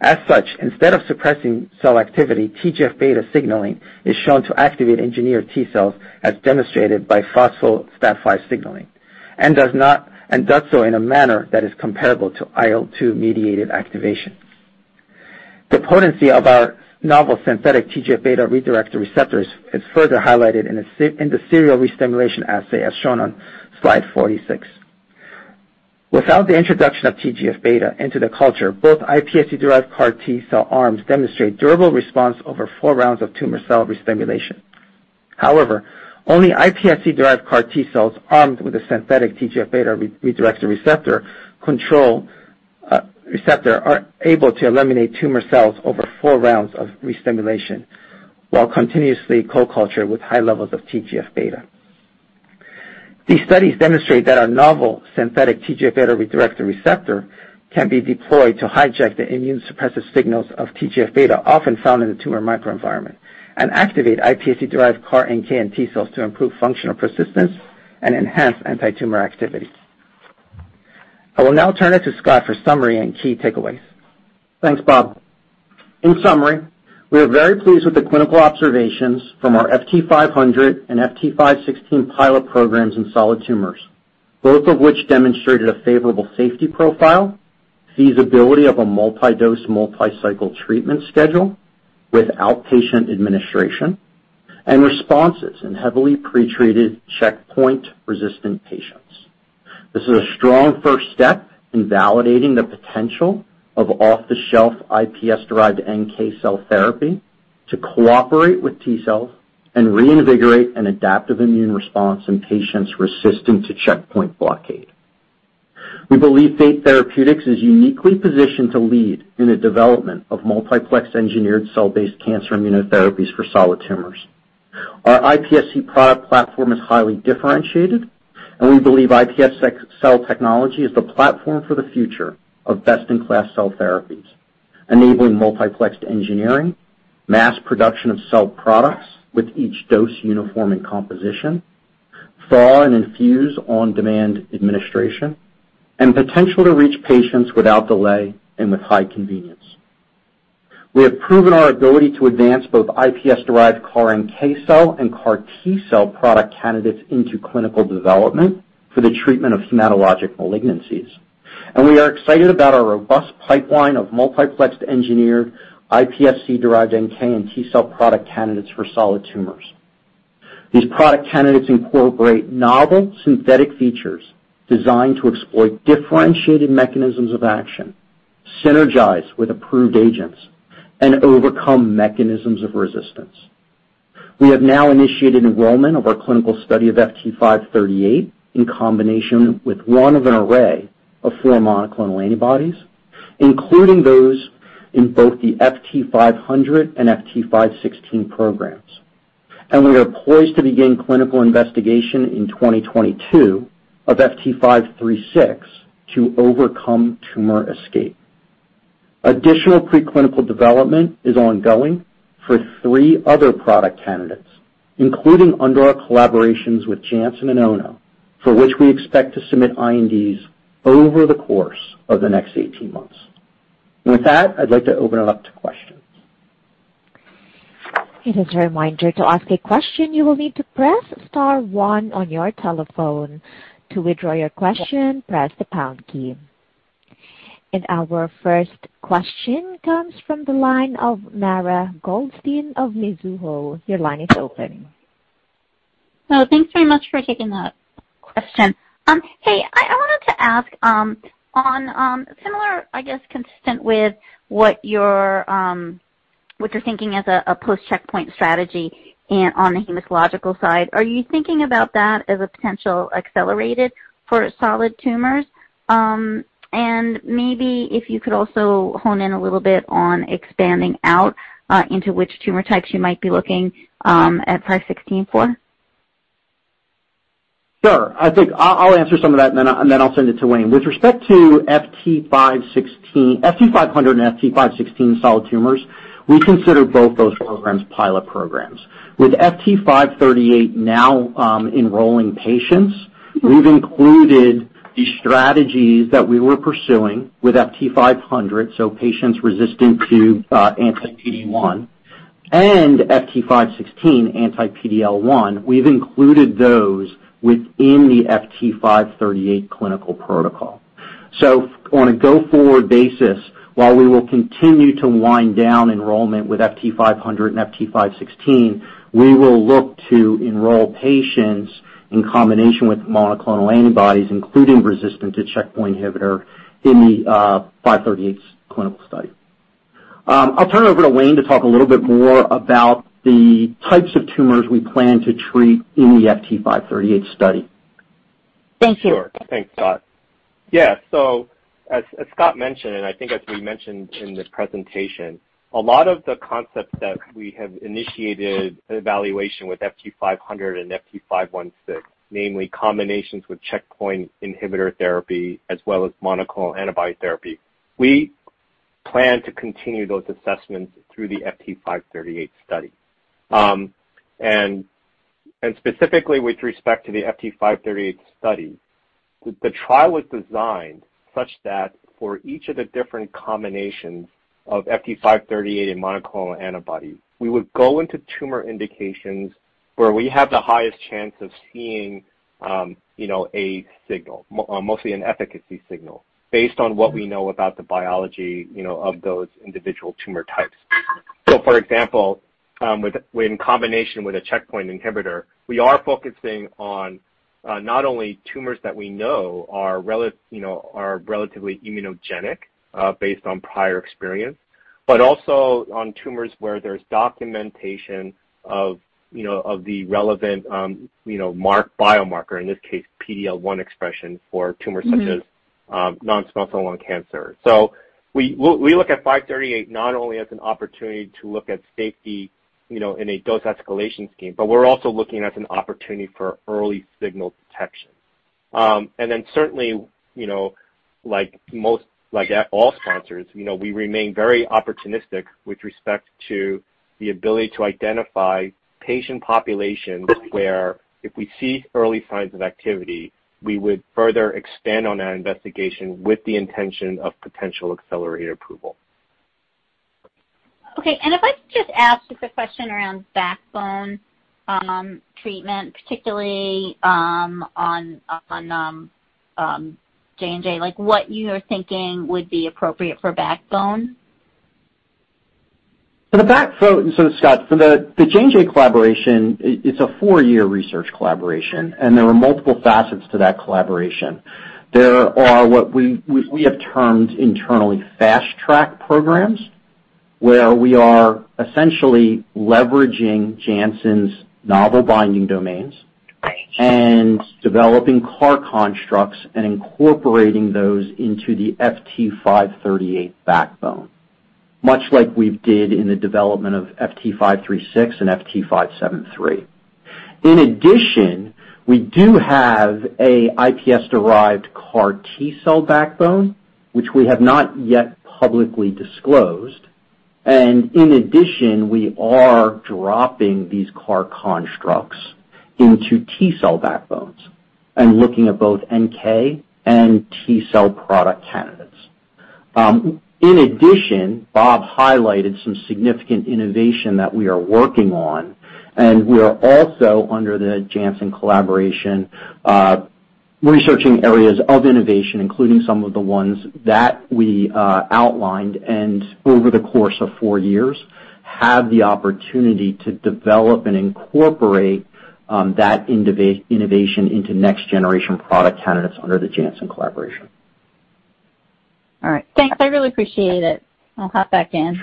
As such, instead of suppressing cell activity, TGF-beta signaling is shown to activate engineered T cells, as demonstrated by phospho-STAT5 signaling, and does so in a manner that is comparable to IL-2-mediated activation. The potency of our novel synthetic TGF-beta redirector receptors is further highlighted in the serial restimulation assay, as shown on slide 46. Without the introduction of TGF-beta into the culture, both iPSC-derived CAR T cell arms demonstrate durable response over four rounds of tumor cell restimulation. However, only iPSC-derived CAR T cells armed with a synthetic TGF-beta redirector receptor are able to eliminate tumor cells over four rounds of restimulation while continuously co-cultured with high levels of TGF-beta. These studies demonstrate that our novel synthetic TGF-beta redirector receptor can be deployed to hijack the immune-suppressive signals of TGF-beta often found in the tumor microenvironment and activate iPSC-derived CAR NK and T cells to improve functional persistence and enhance antitumor activity. I will now turn it to Scott for summary and key takeaways. Thanks, Bob. In summary, we are very pleased with the clinical observations from our FT500 and FT516 pilot programs in solid tumors, both of which demonstrated a favorable safety profile, feasibility of a multi-dose, multi-cycle treatment schedule with outpatient administration, and responses in heavily pretreated checkpoint-resistant patients. This is a strong first step in validating the potential of off-the-shelf iPS-derived NK cell therapy to cooperate with T cells and reinvigorate an adaptive immune response in patients resistant to checkpoint blockade. We believe Fate Therapeutics is uniquely positioned to lead in the development of multiplex-engineered cell-based cancer immunotherapies for solid tumors. Our iPSC product platform is highly differentiated, and we believe iPS cell technology is the platform for the future of best-in-class cell therapies, enabling multiplex engineering, mass production of cell products with each dose uniform in composition, thaw and infuse on-demand administration, and potential to reach patients without delay and with high convenience. We have proven our ability to advance both iPS-derived CAR NK cell and CAR T cell product candidates into clinical development for the treatment of hematologic malignancies. We are excited about our robust pipeline of multiplex-engineered iPSC-derived NK and T cell product candidates for solid tumors. These product candidates incorporate novel synthetic features designed to exploit differentiated mechanisms of action, synergize with approved agents, and overcome mechanisms of resistance. We have now initiated enrollment of our clinical study of FT538 in combination with one of an array of four monoclonal antibodies, including those in both the FT500 and FT516 programs. We are poised to begin clinical investigation in 2022 of FT536 to overcome tumor escape. Additional preclinical development is ongoing for three other product candidates, including under our collaborations with Janssen and Ono, for which we expect to submit INDs over the course of the next 18 months. With that, I'd like to open it up to questions. Here's a reminder. To ask a question, you will need to press star one on your telephone. To withdraw your question, press the pound key. Our first question comes from the line of Mara Goldstein of Mizuho. Your line is open. Thanks very much for taking the question. Hey, I wanted to ask on similar, I guess, consistent with what you're thinking as a post-checkpoint strategy and on the hematological side, are you thinking about that as a potential accelerator for solid tumors? Maybe if you could also hone in a little bit on expanding out into which tumor types you might be looking at FT516 for. Sure. I think I'll answer some of that, and then I'll send it to Wayne. With respect to FT516... FT500 and FT516 solid tumors, we consider both those programs pilot programs. With FT538 now enrolling patients, we've included the strategies that we were pursuing with FT500, so patients resistant to anti-PD-1 and FT516, anti-PD-L1, we've included those within the FT538 clinical protocol. On a go-forward basis, while we will continue to wind down enrollment with FT500 and FT516, we will look to enroll patients in combination with monoclonal antibodies, including resistant to checkpoint inhibitor in the five thirty-eight's clinical study. I'll turn it over to Wayne to talk a little bit more about the types of tumors we plan to treat in the FT538 study. Sure. Thanks, Scott. Yeah. As Scott mentioned, and I think as we mentioned in the presentation, a lot of the concepts that we have initiated evaluation with FT500 and FT516, namely combinations with checkpoint inhibitor therapy as well as monoclonal antibody therapy, we plan to continue those assessments through the FT538 study. And specifically with respect to the FT538 study, the trial was designed such that for each of the different combinations of FT538 and monoclonal antibody, we would go into tumor indications where we have the highest chance of seeing, you know, a signal, mostly an efficacy signal based on what we know about the biology, you know, of those individual tumor types. For example, with in combination with a checkpoint inhibitor, we are focusing on not only tumors that we know are you know, relatively immunogenic based on prior experience, but also on tumors where there's documentation of you know, of the relevant biomarker, in this case, PD-L1 expression for tumors such as non-small cell lung cancer. We look at FT538 not only as an opportunity to look at safety you know, in a dose escalation scheme, but we're also looking at an opportunity for early signal detection. Then certainly you know, like all sponsors you know, we remain very opportunistic with respect to the ability to identify patient populations where if we see early signs of activity, we would further expand on that investigation with the intention of potential accelerated approval. If I could just ask a question around backbone treatment, particularly on J&J, like what you are thinking would be appropriate for backbone. Scott, for the J&J collaboration, it's a four-year research collaboration, and there are multiple facets to that collaboration. There are what we have termed internally fast track programs where we are essentially leveraging Janssen's novel binding domains and developing CAR constructs and incorporating those into the FT538 backbone, much like we did in the development of FT536 and FT573. In addition, we do have an iPS-derived CAR T-cell backbone which we have not yet publicly disclosed. In addition, we are dropping these CAR constructs into T-cell backbones and looking at both NK and T-cell product candidates. In addition, Bob highlighted some significant innovation that we are working on, and we are also under the Janssen collaboration, researching areas of innovation, including some of the ones that we outlined and over the course of four years, have the opportunity to develop and incorporate that innovation into next generation product candidates under the Janssen collaboration. All right. Thanks, I really appreciate it. I'll hop back in.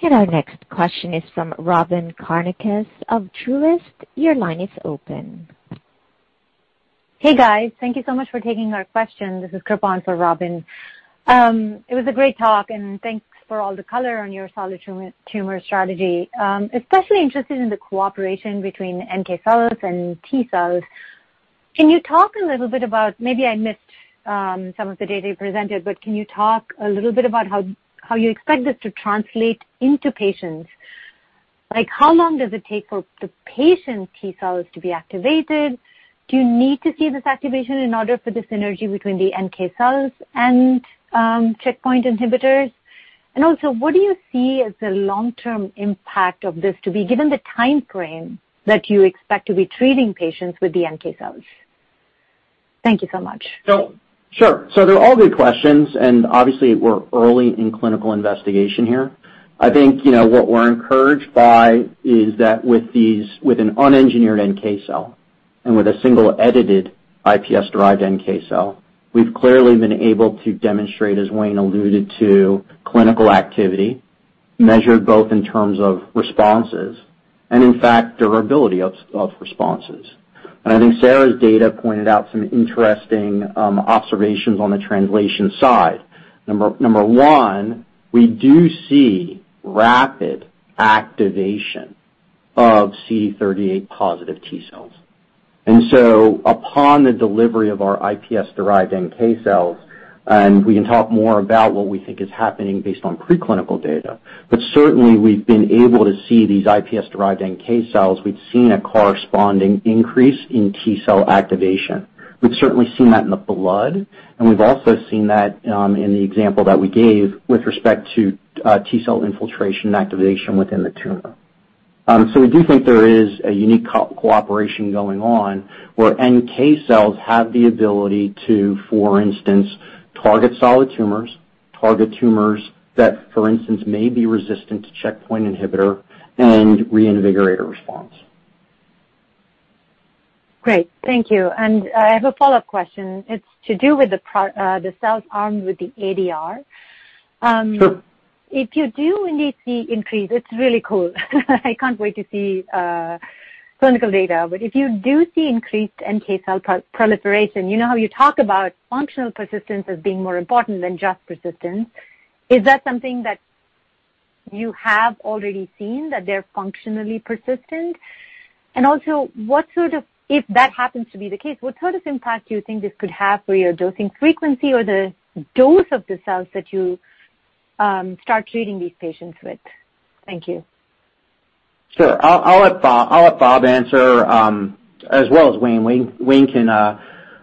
Sure. Our next question is from Robyn Karnauskas of Truist. Your line is open. Hey, guys. Thank you so much for taking our question. This is Krupan for Robyn. It was a great talk, and thanks for all the color on your solid tumor strategy. Especially interested in the cooperation between NK cells and T cells. Can you talk a little bit about maybe I missed some of the data you presented, but can you talk a little bit about how you expect this to translate into patients? Like how long does it take for the patient T-cells to be activated? Do you need to see this activation in order for the synergy between the NK cells and checkpoint inhibitors? And also, what do you see as the long-term impact of this to be given the time frame that you expect to be treating patients with the NK cells? Thank you so much. Sure. They're all good questions, and obviously we're early in clinical investigation here. I think, you know, what we're encouraged by is that with these, with an un-engineered NK cell and with a single edited iPSC-derived NK cell, we've clearly been able to demonstrate, as Wayne alluded to, clinical activity measured both in terms of responses and in fact durability of responses. I think Sarah's data pointed out some interesting observations on the translation side. Number one, we do see rapid activation of CD38 positive T cells. Upon the delivery of our iPSC-derived NK cells, and we can talk more about what we think is happening based on preclinical data, but certainly we've been able to see these iPSC-derived NK cells. We've seen a corresponding increase in T-cell activation. We've certainly seen that in the blood, and we've also seen that in the example that we gave with respect to T-cell infiltration and activation within the tumor. We do think there is a unique cooperation going on where NK cells have the ability to, for instance, target solid tumors, target tumors that, for instance, may be resistant to checkpoint inhibitor and reinvigorate a response. Great, thank you. I have a follow-up question. It's to do with the cells armed with the ADR. Sure. If you do indeed see increase, it's really cool. I can't wait to see clinical data, but if you do see increased NK cell proliferation, you know how you talk about functional persistence as being more important than just persistence. Is that something that you have already seen that they're functionally persistent? And also, if that happens to be the case, what sort of impact do you think this could have for your dosing frequency or the dose of the cells that you start treating these patients with? Thank you. Sure. I'll let Bob answer as well as Wayne. Wayne can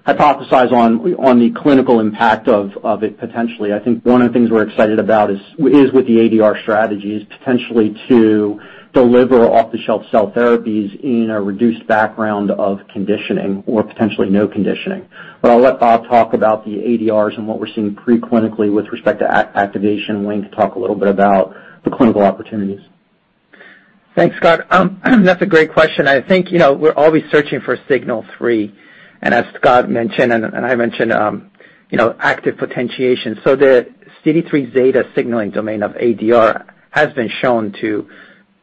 hypothesize on the clinical impact of it potentially. I think one of the things we're excited about is with the ADR strategy is potentially to deliver off-the-shelf cell therapies in a reduced background of conditioning or potentially no conditioning. But I'll let Bob talk about the ADRs and what we're seeing preclinically with respect to activation and Wayne to talk a little bit about the clinical opportunities. Thanks, Scott. That's a great question. I think, you know, we're always searching for signal three and as Scott mentioned and I mentioned, you know, active potentiation. The CD3 zeta signaling domain of ADR has been shown to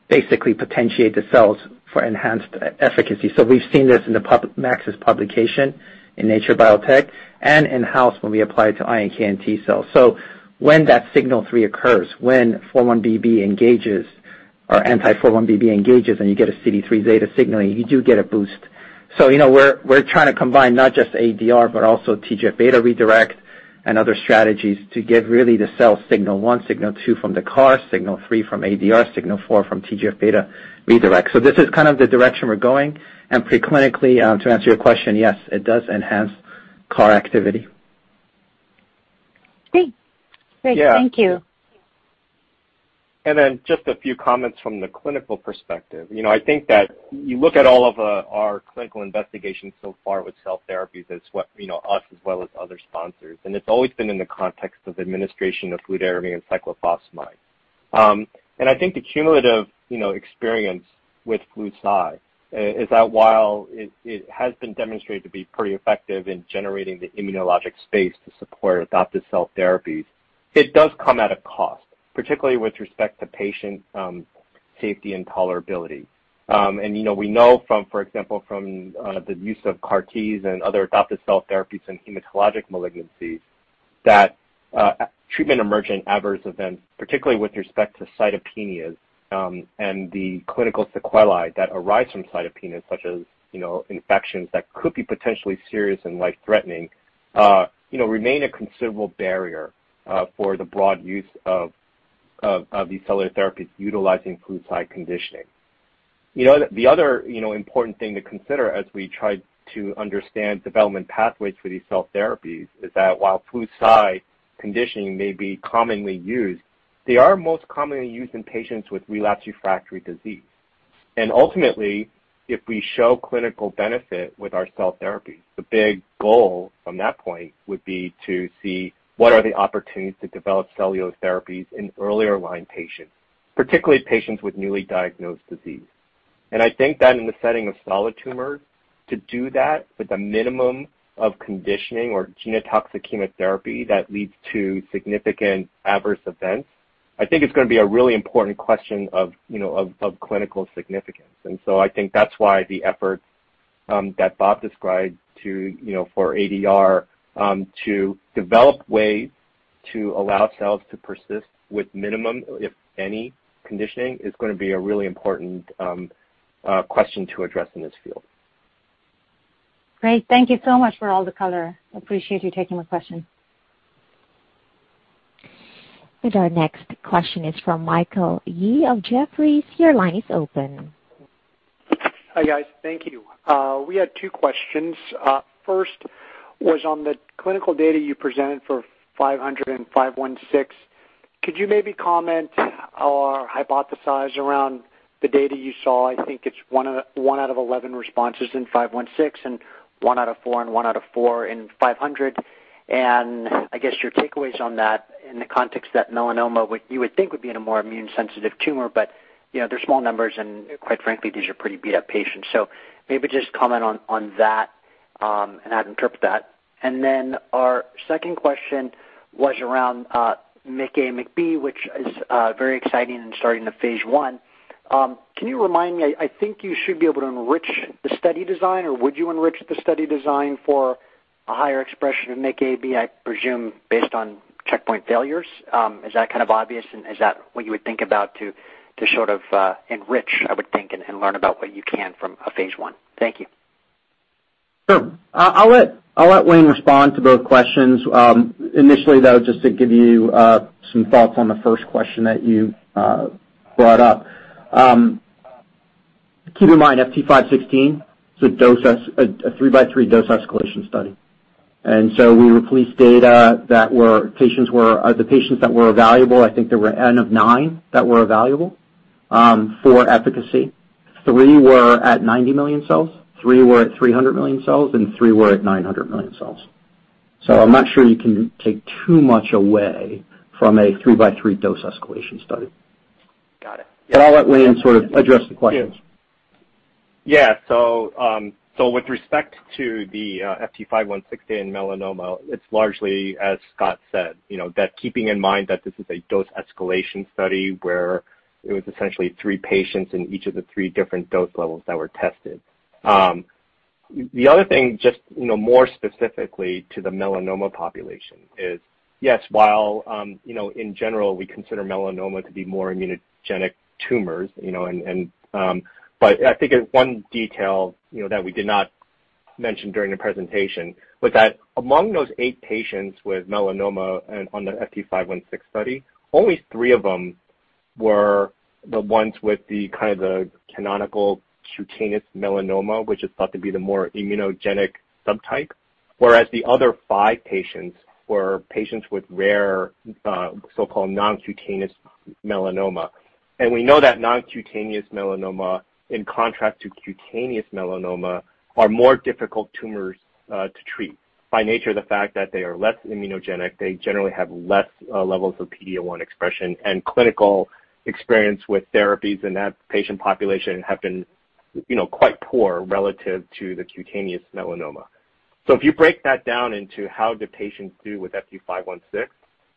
basically potentiate the cells for enhanced efficacy. We've seen this in the pub, Max's publication in Nature Biotechnology and in-house when we apply it to iNK and T-cells. When that signal three occurs, when 4-1BB engages or anti-4-1BB engages and you get a CD3 zeta signaling, you do get a boost. You know, we're trying to combine not just ADR, but also TGF-beta redirect and other strategies to give really the cell signal one, signal two from the CAR, signal three from ADR, signal four from TGF-beta redirect. This is kind of the direction we're going and preclinically, to answer your question, yes, it does enhance CAR activity. Great. Yeah. Great. Thank you. Just a few comments from the clinical perspective. You know, I think that you look at all of our clinical investigations so far with cell therapies as what, you know, us as well as other sponsors, and it's always been in the context of administration of fludarabine and cyclophosphamide. I think the cumulative, you know, experience with flu-cy is that while it has been demonstrated to be pretty effective in generating the immunologic space to support adoptive cell therapies, it does come at a cost, particularly with respect to patient safety and tolerability. You know, we know from, for example, the use of CAR Ts and other adoptive cell therapies in hematologic malignancies that treatment-emergent adverse events, particularly with respect to cytopenias, and the clinical sequelae that arise from cytopenias such as, you know, infections that could be potentially serious and life-threatening, you know, remain a considerable barrier for the broad use of these cellular therapies utilizing flu-cy conditioning. You know, the other important thing to consider as we try to understand development pathways for these cell therapies is that while flu-cy conditioning may be commonly used, they are most commonly used in patients with relapsed refractory disease. Ultimately, if we show clinical benefit with our cell therapies, the big goal from that point would be to see what are the opportunities to develop cellular therapies in earlier line patients, particularly patients with newly diagnosed disease. I think that in the setting of solid tumors, to do that with a minimum of conditioning or genotoxic chemotherapy that leads to significant adverse events, I think it's gonna be a really important question of, you know, of clinical significance. I think that's why the efforts that Bob described to, you know, for ADR, to develop ways to allow cells to persist with minimum, if any, conditioning is gonna be a really important question to address in this field. Great. Thank you so much for all the color. I appreciate you taking my question. Our next question is from Michael Yee of Jefferies. Your line is open. Hi, guys. Thank you. We had two questions. First was on the clinical data you presented for FT500 and FT516. Could you maybe comment or hypothesize around the data you saw? I think it's one out of one out of 11 responses in FT516 and one out of four and one out of four in FT500. I guess your takeaways on that in the context that melanoma you would think would be in a more immune sensitive tumor, but, you know, they're small numbers, and quite frankly, these are pretty beat-up patients. So maybe just comment on that and how to interpret that. Then our second question was around MICA, MICB, which is very exciting and starting the phase I. Can you remind me, I think you should be able to enrich the study design, or would you enrich the study design for a higher expression of MICA/B, I presume, based on checkpoint failures? Is that kind of obvious, and is that what you would think about to sort of enrich, I would think, and learn about what you can from a phase I? Thank you. Sure. I'll let Wayne respond to both questions. Initially, though, just to give you some thoughts on the first question that you brought up. Keep in mind, FT516 is a three-by-three dose escalation study. We released data that the patients that were evaluable, I think there were N of nine that were evaluable for efficacy. Three were at 90 million cells, three were at 300 million cells, and three were at 900 million cells. I'm not sure you can take too much away from a three-by-three dose escalation study. Got it. I'll let Wayne sort of address the questions. With respect to the FT516 in melanoma, it's largely, as Scott said, keeping in mind that this is a dose escalation study where it was essentially three patients in each of the three different dose levels that were tested. The other thing, more specifically to the melanoma population is, yes, while in general, we consider melanoma to be more immunogenic tumors, and but I think one detail that we did not mention during the presentation was that among those eight patients with melanoma and on the FT516 study, only three of them were the ones with the kind of the canonical cutaneous melanoma, which is thought to be the more immunogenic subtype. Whereas the other five patients were patients with rare, so-called non-cutaneous melanoma. We know that non-cutaneous melanoma, in contrast to cutaneous melanoma, are more difficult tumors to treat. By nature of the fact that they are less immunogenic, they generally have less levels of PD-L1 expression and clinical experience with therapies in that patient population have been, you know, quite poor relative to the cutaneous melanoma. If you break that down into how the patients do with FT516,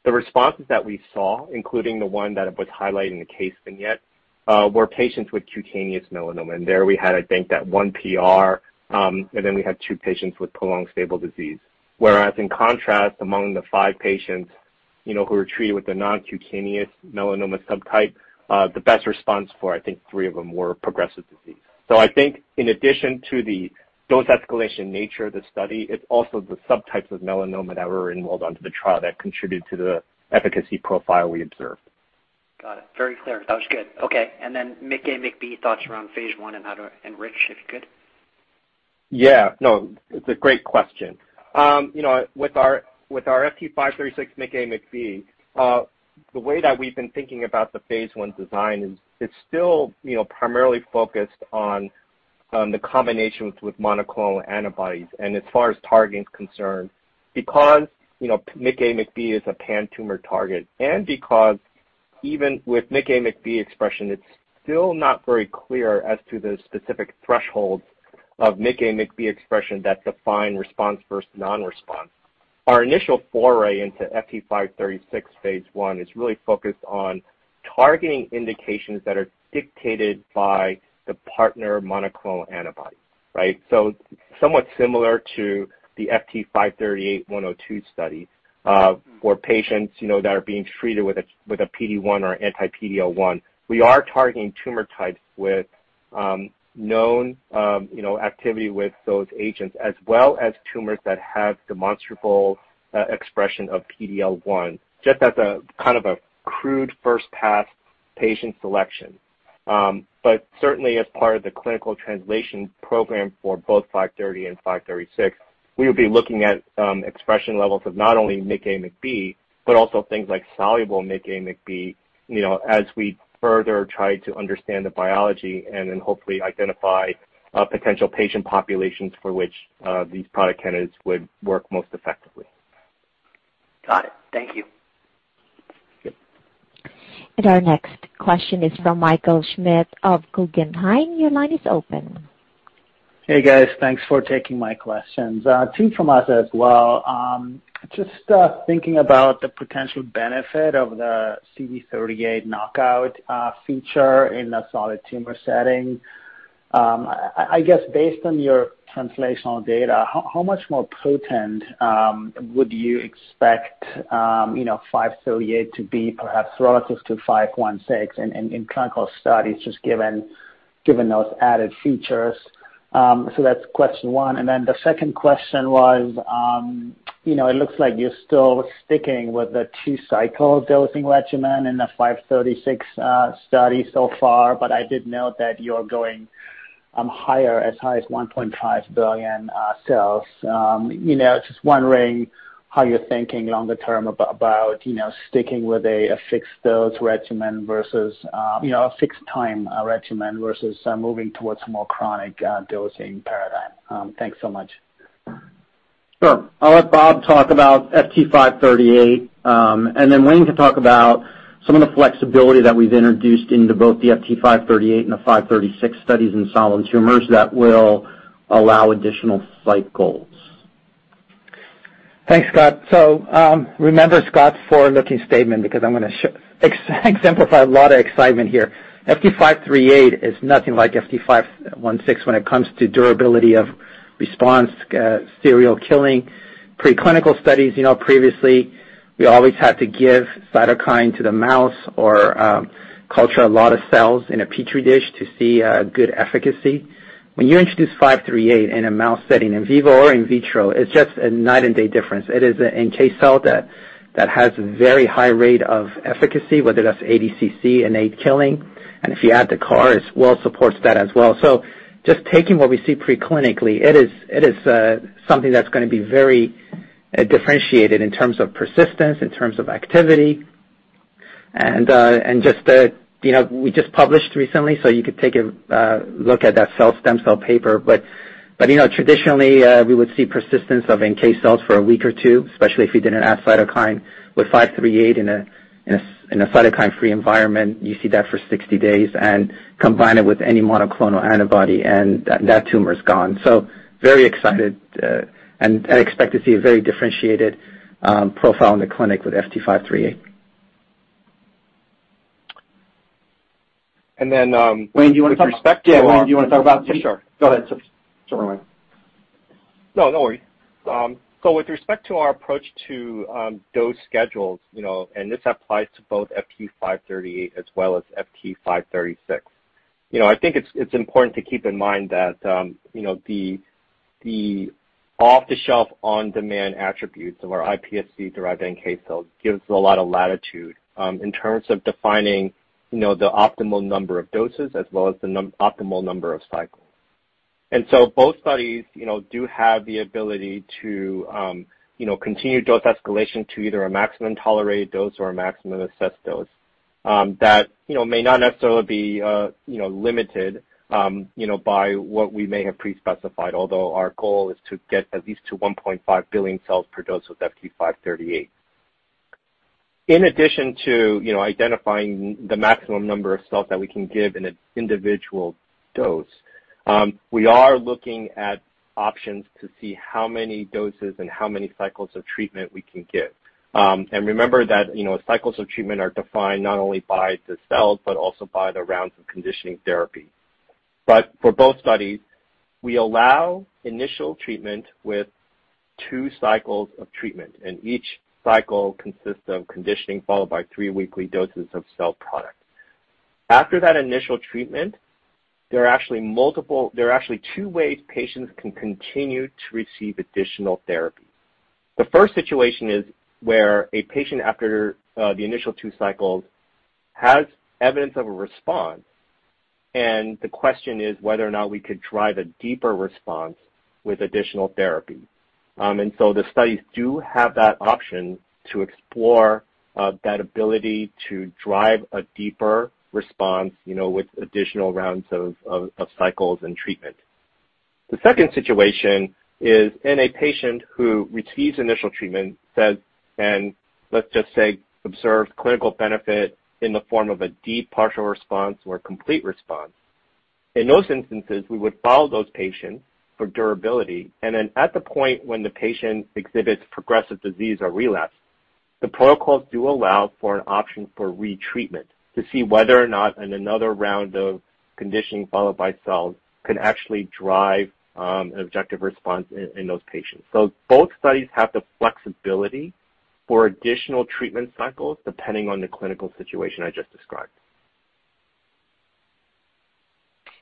the responses that we saw, including the one that was highlighted in the case vignette, were patients with cutaneous melanoma. There we had, I think, that one PR, and then we had two patients with prolonged stable disease. Whereas in contrast, among the five patients, you know, who were treated with a non-cutaneous melanoma subtype, the best response for, I think, three of them were progressive disease. I think in addition to the dose escalation nature of the study, it's also the subtypes of melanoma that were enrolled onto the trial that contributed to the efficacy profile we observed. Got it. Very clear. That was good. Okay. MICA, MICB, thoughts around phase I and how to enrich, if you could. Yeah. No, it's a great question. You know, with our FT536 MICA, MICB, the way that we've been thinking about the phase I design is it's still, you know, primarily focused on the combinations with monoclonal antibodies and as far as targeting is concerned. Because, you know, MICA, MICB is a pan-tumor target, and because even with MICA, MICB expression, it's still not very clear as to the specific thresholds of MICA, MICB expression that define response versus non-response. Our initial foray into FT536 phase I is really focused on targeting indications that are dictated by the partner monoclonal antibodies, right? So somewhat similar to the FT538-102 study, for patients, you know, that are being treated with anti-PD-1 or anti-PD-L1. We are targeting tumor types with known you know activity with those agents as well as tumors that have demonstrable expression of PD-L1, just as a kind of a crude first pass patient selection. Certainly as part of the clinical translation program for both 530 and 536, we will be looking at expression levels of not only MICA, MICB, but also things like soluble MICA, MICB, you know, as we further try to understand the biology and then hopefully identify potential patient populations for which these product candidates would work most effectively. Got it. Thank you. Sure. Our next question is from Michael Schmidt of Guggenheim. Your line is open. Hey, guys. Thanks for taking my questions. Two from us as well. Just thinking about the potential benefit of the CD38 knockout feature in a solid tumor setting. I guess based on your translational data, how much more potent would you expect you know FT538 to be perhaps relative to FT516 in clinical studies, just given those added features. So that's question one. And then the second question was, you know, it looks like you're still sticking with the two-cycle dosing regimen in the FT536 study so far. But I did note that you're going higher, as high as 1.5 billion cells. You know, just wondering how you're thinking longer term about you know sticking with a fixed-dose regimen versus you know a fixed-time regimen versus moving towards a more chronic dosing paradigm. Thanks so much. Sure. I'll let Bob talk about FT538, and then Wayne can talk about some of the flexibility that we've introduced into both the FT538 and the FT536 studies in solid tumors that will allow additional cycles. Thanks, Scott. Remember Scott's forward-looking statement because I'm gonna exemplify a lot of excitement here. FT538 is nothing like FT516 when it comes to durability of response, serial killing. Preclinical studies, you know, previously, we always had to give cytokine to the mouse or, culture a lot of cells in a Petri dish to see a good efficacy. When you introduce 538 in a mouse setting, in vivo or in vitro, it's just a night and day difference. It is an NK cell that has a very high rate of efficacy, whether that's ADCC and innate killing. If you add the CAR, it well supports that as well. Just taking what we see preclinically, it is something that's gonna be very differentiated in terms of persistence, in terms of activity. You know, we just published recently, so you could take a look at that Cell Stem Cell paper. You know, traditionally, we would see persistence of NK cells for a week or two, especially if you didn't add cytokine with FT538 in a cytokine-free environment. You see that for 60 days and combine it with any monoclonal antibody, and that tumor is gone. Very excited and expect to see a very differentiated profile in the clinic with FT538. And then, um- Wayne, do you wanna talk? With respect to our Yeah, Wayne, do you wanna talk about? Sure. Go ahead. Sorry, Wayne. No, no worries. So with respect to our approach to dose schedules, you know, and this applies to both FT538 as well as FT536. You know, I think it's important to keep in mind that, you know, the off-the-shelf, on-demand attributes of our iPSC-derived NK cell gives a lot of latitude in terms of defining, you know, the optimal number of doses as well as the optimal number of cycles. Both studies, you know, do have the ability to, you know, continue dose escalation to either a maximum tolerated dose or a maximum assessed dose, that, you know, may not necessarily be, you know, limited by what we may have pre-specified, although our goal is to get at least to 1.5 billion cells per dose with FT538. In addition to, you know, identifying the maximum number of cells that we can give in an individual dose, we are looking at options to see how many doses and how many cycles of treatment we can give. Remember that, you know, cycles of treatment are defined not only by the cells, but also by the rounds of conditioning therapy. For both studies, we allow initial treatment with two cycles of treatment, and each cycle consists of conditioning followed by three weekly doses of cell product. After that initial treatment, there are actually two ways patients can continue to receive additional therapy. The first situation is where a patient, after the initial two cycles, has evidence of a response, and the question is whether or not we could drive a deeper response with additional therapy. The studies do have that option to explore that ability to drive a deeper response, you know, with additional rounds of cycles and treatment. The second situation is in a patient who receives initial treatment says, and let's just say observes clinical benefit in the form of a deep partial response or a complete response. In those instances, we would follow those patients for durability. At the point when the patient exhibits progressive disease or relapse, the protocols do allow for an option for retreatment to see whether or not another round of conditioning followed by cells can actually drive an objective response in those patients. Both studies have the flexibility for additional treatment cycles depending on the clinical situation I just described.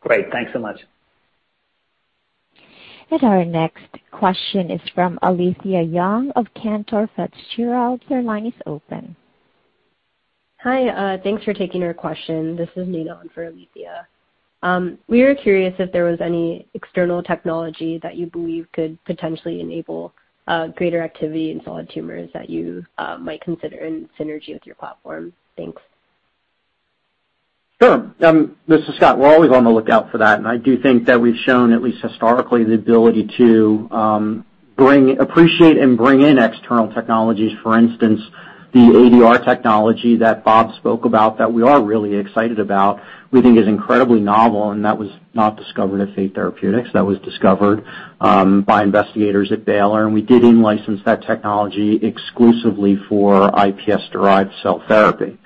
Great. Thanks so much. Our next question is from Alethia Young of Cantor Fitzgerald. Your line is open. Hi. Thanks for taking our question. This is Nina in for Alethia. We were curious if there was any external technology that you believe could potentially enable greater activity in solid tumors that you might consider in synergy with your platform. Thanks. Sure. This is Scott. We're always on the lookout for that, and I do think that we've shown, at least historically, the ability to bring, appreciate and bring in external technologies. For instance, the ADR technology that Bob spoke about that we are really excited about, we think is incredibly novel, and that was not discovered at Fate Therapeutics. That was discovered by investigators at Baylor, and we did in-license that technology exclusively for iPS-derived cell therapy.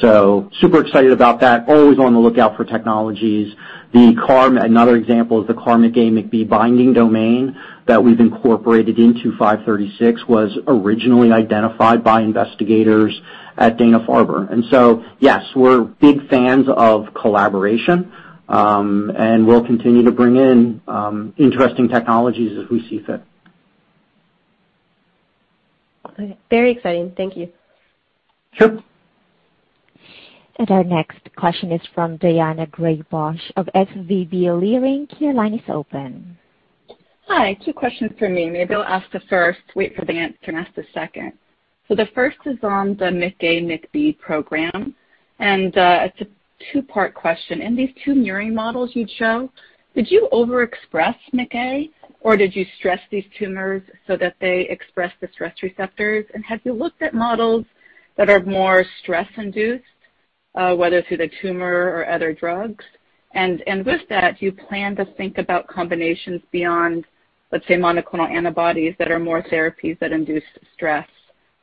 Super excited about that. Always on the lookout for technologies. Another example is the CAR MICA/MICB binding domain that we've incorporated into 536 was originally identified by investigators at Dana-Farber. Yes, we're big fans of collaboration, and we'll continue to bring in interesting technologies as we see fit. Very exciting. Thank you. Sure. Our next question is from Daina Graybosch of Leerink Partners. Your line is open. Hi. Two questions for me. Maybe I'll ask the first, wait for the answer, and ask the second. The first is on the MIC-A, MIC-B program, and it's a two-part question. In these two neuro models you'd show, did you overexpress MIC-A, or did you stress these tumors so that they express the stress receptors? And have you looked at models that are more stress induced, whether through the tumor or other drugs? And with that, do you plan to think about combinations beyond, let's say, monoclonal antibodies that are more therapies that induce stress,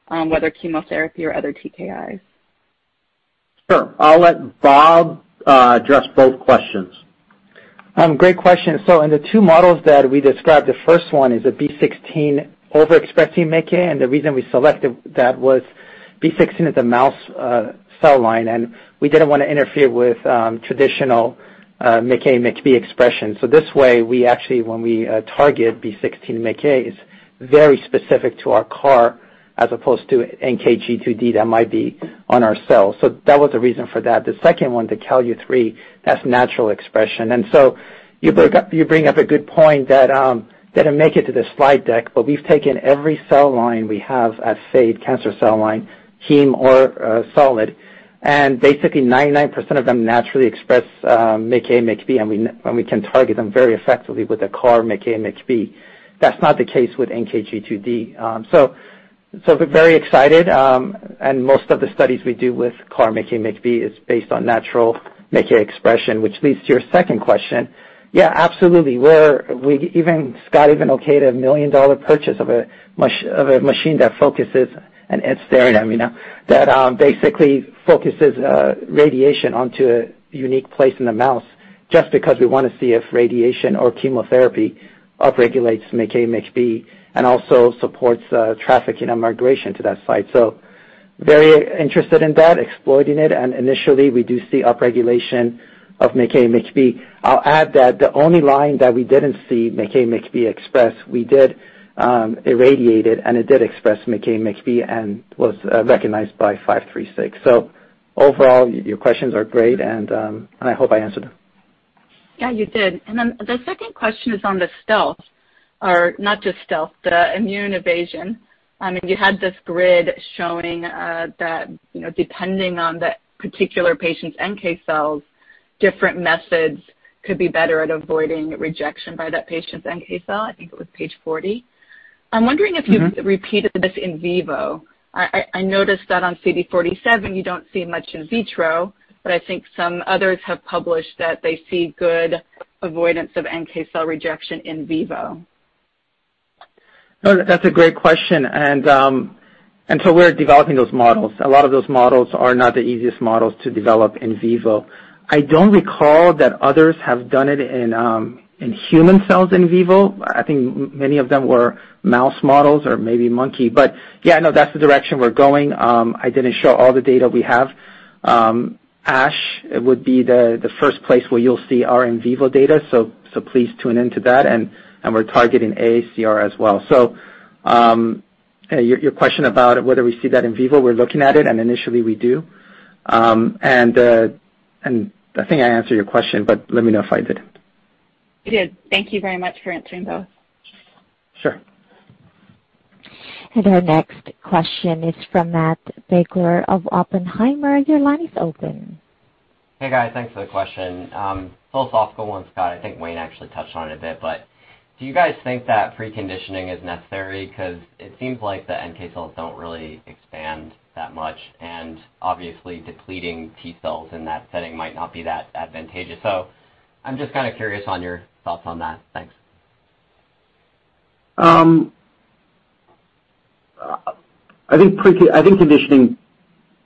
whether chemotherapy or other TKIs? Sure. I'll let Bob address both questions. Great question. In the two models that we described, the first one is a B16 overexpressing MICA, and the reason we selected that was B16 is a mouse cell line, and we didn't wanna interfere with traditional MICA, MICB expression. This way, when we target B16 MICA is very specific to our CAR as opposed to NKG2D that might be on our cells. That was the reason for that. The second one, the Calu-3, that's natural expression. You bring up a good point that didn't make it to the slide deck, but we've taken every cell line we have at SADE, cancer cell line, heme or solid, and basically 99% of them naturally express MICA, MICB, and we can target them very effectively with a CAR MICA, MICB. That's not the case with NKG2D. So we're very excited, and most of the studies we do with CAR MICA, MICB is based on natural MICA expression, which leads to your second question. Yeah, absolutely, we're... Scott even okayed a $1 million purchase of a machine that focuses, and it's staring at me now, that basically focuses radiation onto a unique place in the mouse just because we wanna see if radiation or chemotherapy upregulates MIC-A, MIC-B and also supports trafficking and migration to that site. Very interested in that, exploiting it, and initially, we do see upregulation of MIC-A, MIC-B. I'll add that the only line that we didn't see MIC-A, MIC-B express, we did irradiate it, and it did express MIC-A, MIC-B and was recognized by FT536. Overall, your questions are great, and I hope I answered them. Yeah, you did. Then the second question is on the stealth or not just stealth, the immune evasion. I mean, you had this grid showing that depending on the particular patient's NK cells, different methods could be better at avoiding rejection by that patient's NK cell. I think it was page 40. I'm wondering if you've repeated this in vivo. I noticed that on CD47, you don't see much in vitro, but I think some others have published that they see good avoidance of NK cell rejection in vivo. No, that's a great question. We're developing those models. A lot of those models are not the easiest models to develop in vivo. I don't recall that others have done it in human cells in vivo. I think many of them were mouse models or maybe monkey. Yeah, no, that's the direction we're going. I didn't show all the data we have. ASH would be the first place where you'll see our in vivo data. Please tune into that, and we're targeting AACR as well. Your question about whether we see that in vivo, we're looking at it, and initially we do. I think I answered your question, but let me know if I didn't. You did. Thank you very much for answering both. Sure. Our next question is from Matthew Biegler of Oppenheimer. Your line is open. Hey, guys. Thanks for the question. Philosophical one, Scott. I think Wayne actually touched on it a bit, but do you guys think that preconditioning is necessary? 'Cause it seems like the NK cells don't really expand that much, and obviously depleting T cells in that setting might not be that advantageous. I'm just kinda curious on your thoughts on that. Thanks. I think conditioning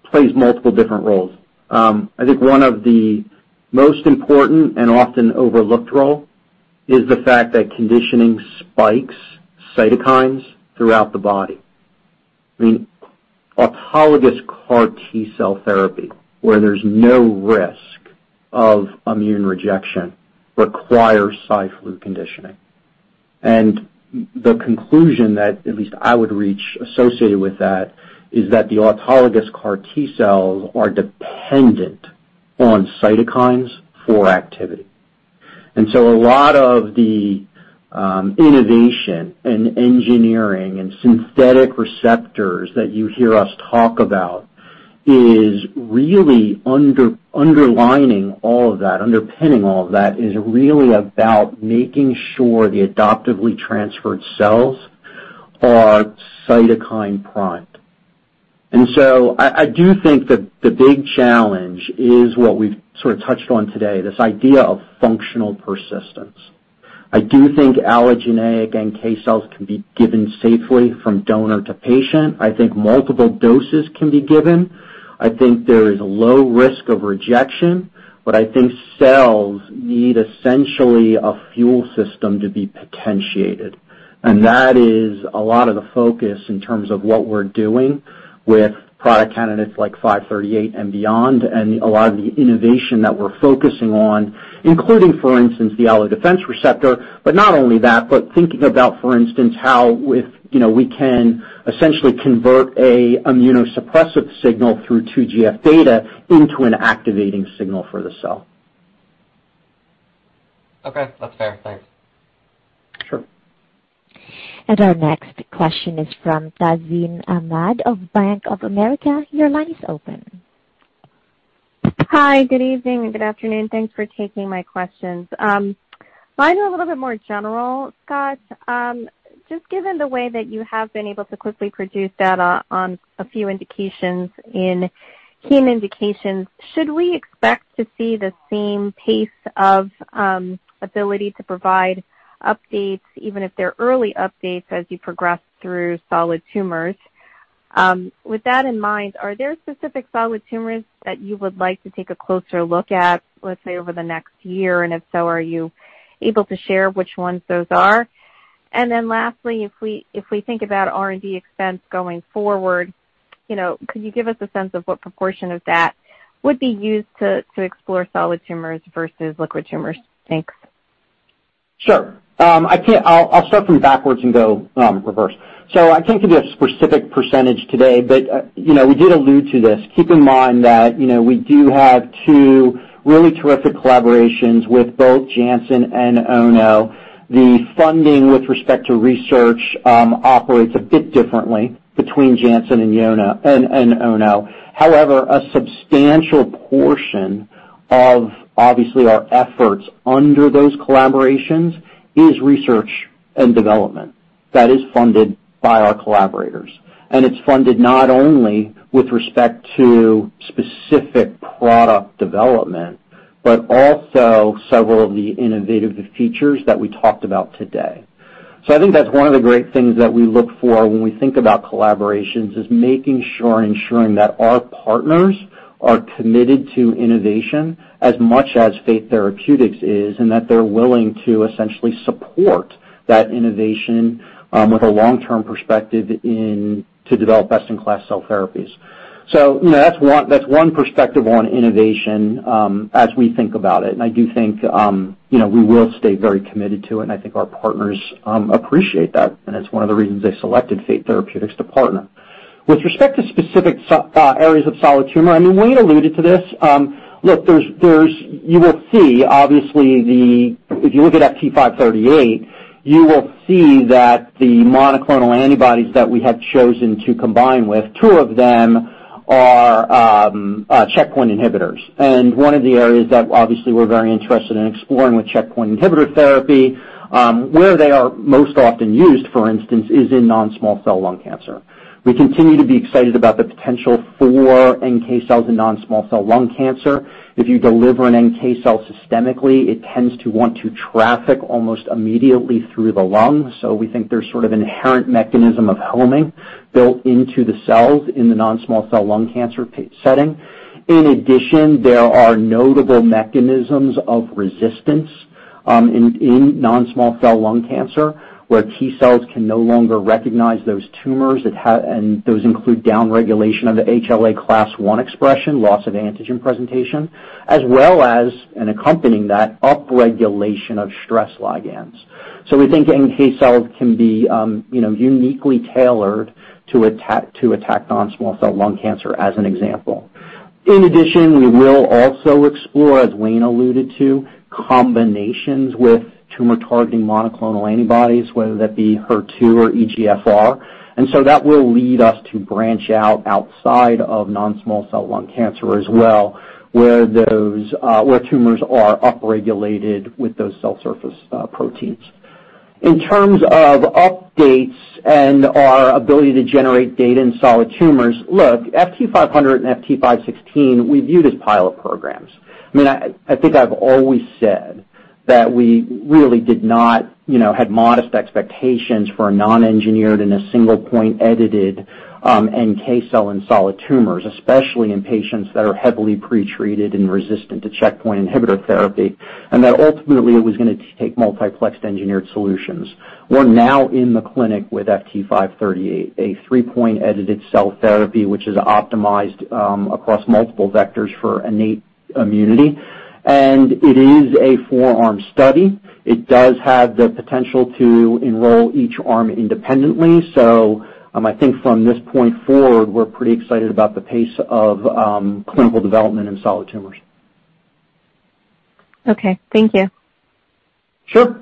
plays multiple different roles. I think one of the most important and often overlooked role is the fact that conditioning spikes cytokines throughout the body. I mean, autologous CAR T cell therapy, where there's no risk of immune rejection, requires Cyflu conditioning. The conclusion that at least I would reach associated with that is that the autologous CAR T cells are dependent on cytokines for activity. A lot of the innovation and engineering and synthetic receptors that you hear us talk about is really underlining all of that, underpinning all of that, is really about making sure the adoptively transferred cells are cytokine primed. I do think the big challenge is what we've sort of touched on today, this idea of functional persistence. I do think allogeneic NK cells can be given safely from donor to patient. I think multiple doses can be given. I think there is low risk of rejection, but I think cells need essentially a fuel system to be potentiated. That is a lot of the focus in terms of what we're doing with product candidates like FT538 and beyond, and a lot of the innovation that we're focusing on, including, for instance, the allodefense receptor. Not only that, but thinking about, for instance, how if, you know, we can essentially convert an immunosuppressive signal through TGF-beta into an activating signal for the cell. Okay. That's fair. Thanks. Sure. Our next question is from Tazeen Ahmad of Bank of America. Your line is open. Hi, good evening and good afternoon. Thanks for taking my questions. Mine are a little bit more general, Scott. Just given the way that you have been able to quickly produce data on a few indications in heme indications, should we expect to see the same pace of ability to provide updates, even if they're early updates, as you progress through solid tumors? With that in mind, are there specific solid tumors that you would like to take a closer look at, let's say, over the next year? If so, are you able to share which ones those are? Then lastly, if we think about R&D expense going forward, you know, could you give us a sense of what proportion of that would be used to explore solid tumors versus liquid tumors? Thanks. Sure. I'll start from backwards and go reverse. I can't give you a specific percentage today, but you know, we did allude to this. Keep in mind that, you know, we do have two really terrific collaborations with both Janssen and Ono. The funding with respect to research operates a bit differently between Janssen and Ono. However, a substantial portion of, obviously, our efforts under those collaborations is research and development that is funded by our collaborators. It's funded not only with respect to specific product development, but also several of the innovative features that we talked about today. I think that's one of the great things that we look for when we think about collaborations, is making sure that our partners are committed to innovation as much as Fate Therapeutics is, and that they're willing to essentially support that innovation, with a long-term perspective into develop best-in-class cell therapies. You know, that's one perspective on innovation, as we think about it. I do think, you know, we will stay very committed to it, and I think our partners, appreciate that, and it's one of the reasons they selected Fate Therapeutics to partner. With respect to specific areas of solid tumor, I mean, we alluded to this. Look, there's. You will see obviously the If you look at FT538, you will see that the monoclonal antibodies that we have chosen to combine with, two of them are checkpoint inhibitors. One of the areas that obviously we're very interested in exploring with checkpoint inhibitor therapy, where they are most often used, for instance, is in non-small cell lung cancer. We continue to be excited about the potential for NK cells in non-small cell lung cancer. If you deliver an NK cell systemically, it tends to want to traffic almost immediately through the lungs. We think there's sort of inherent mechanism of homing built into the cells in the non-small cell lung cancer patient setting. In addition, there are notable mechanisms of resistance in non-small cell lung cancer, where T cells can no longer recognize those tumors and those include downregulation of the HLA class I expression, loss of antigen presentation, as well as and accompanying that, upregulation of stress ligands. We think NK cells can be, you know, uniquely tailored to attack non-small cell lung cancer as an example. In addition, we will also explore, as Wayne alluded to, combinations with tumor-targeting monoclonal antibodies, whether that be HER2 or EGFR. That will lead us to branch out outside of non-small cell lung cancer as well, where tumors are upregulated with those cell surface proteins. In terms of updates and our ability to generate data in solid tumors, look, FT500 and FT516 we view as pilot programs. I mean, I think I've always said that we really did not, you know, had modest expectations for a non-engineered and a single-point edited NK cell in solid tumors, especially in patients that are heavily pretreated and resistant to checkpoint inhibitor therapy, and that ultimately it was gonna take multiplexed engineered solutions. We're now in the clinic with FT538, a three-point edited cell therapy, which is optimized across multiple vectors for innate immunity. It is a four-arm study. It does have the potential to enroll each arm independently. I think from this point forward, we're pretty excited about the pace of clinical development in solid tumors. Okay. Thank you. Sure.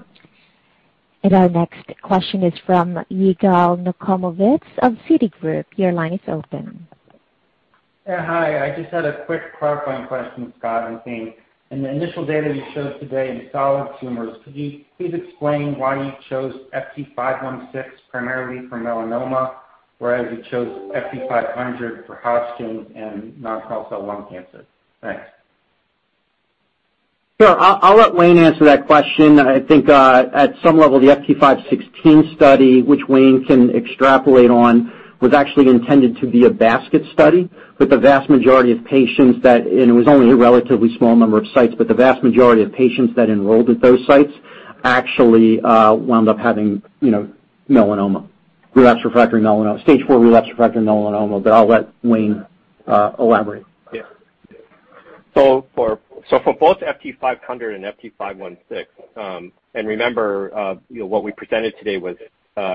Our next question is from Yigal Nochomovitz of Citigroup. Your line is open. Yeah. Hi. I just had a quick clarifying question, Scott and team. In the initial data you showed today in solid tumors, could you please explain why you chose FT516 primarily for melanoma, whereas you chose FT500 for Hodgkin's and non-small cell lung cancer? Thanks. Sure. I'll let Wayne answer that question. I think at some level, the FT516 study, which Wayne can extrapolate on, was actually intended to be a basket study with the vast majority of patients, and it was only a relatively small number of sites, but the vast majority of patients that enrolled at those sites actually wound up having, you know, melanoma. Relapsed refractory melanoma, stage four relapsed refractory melanoma, but I'll let Wayne elaborate. For both FT500 and FT516, and remember, you know, what we presented today was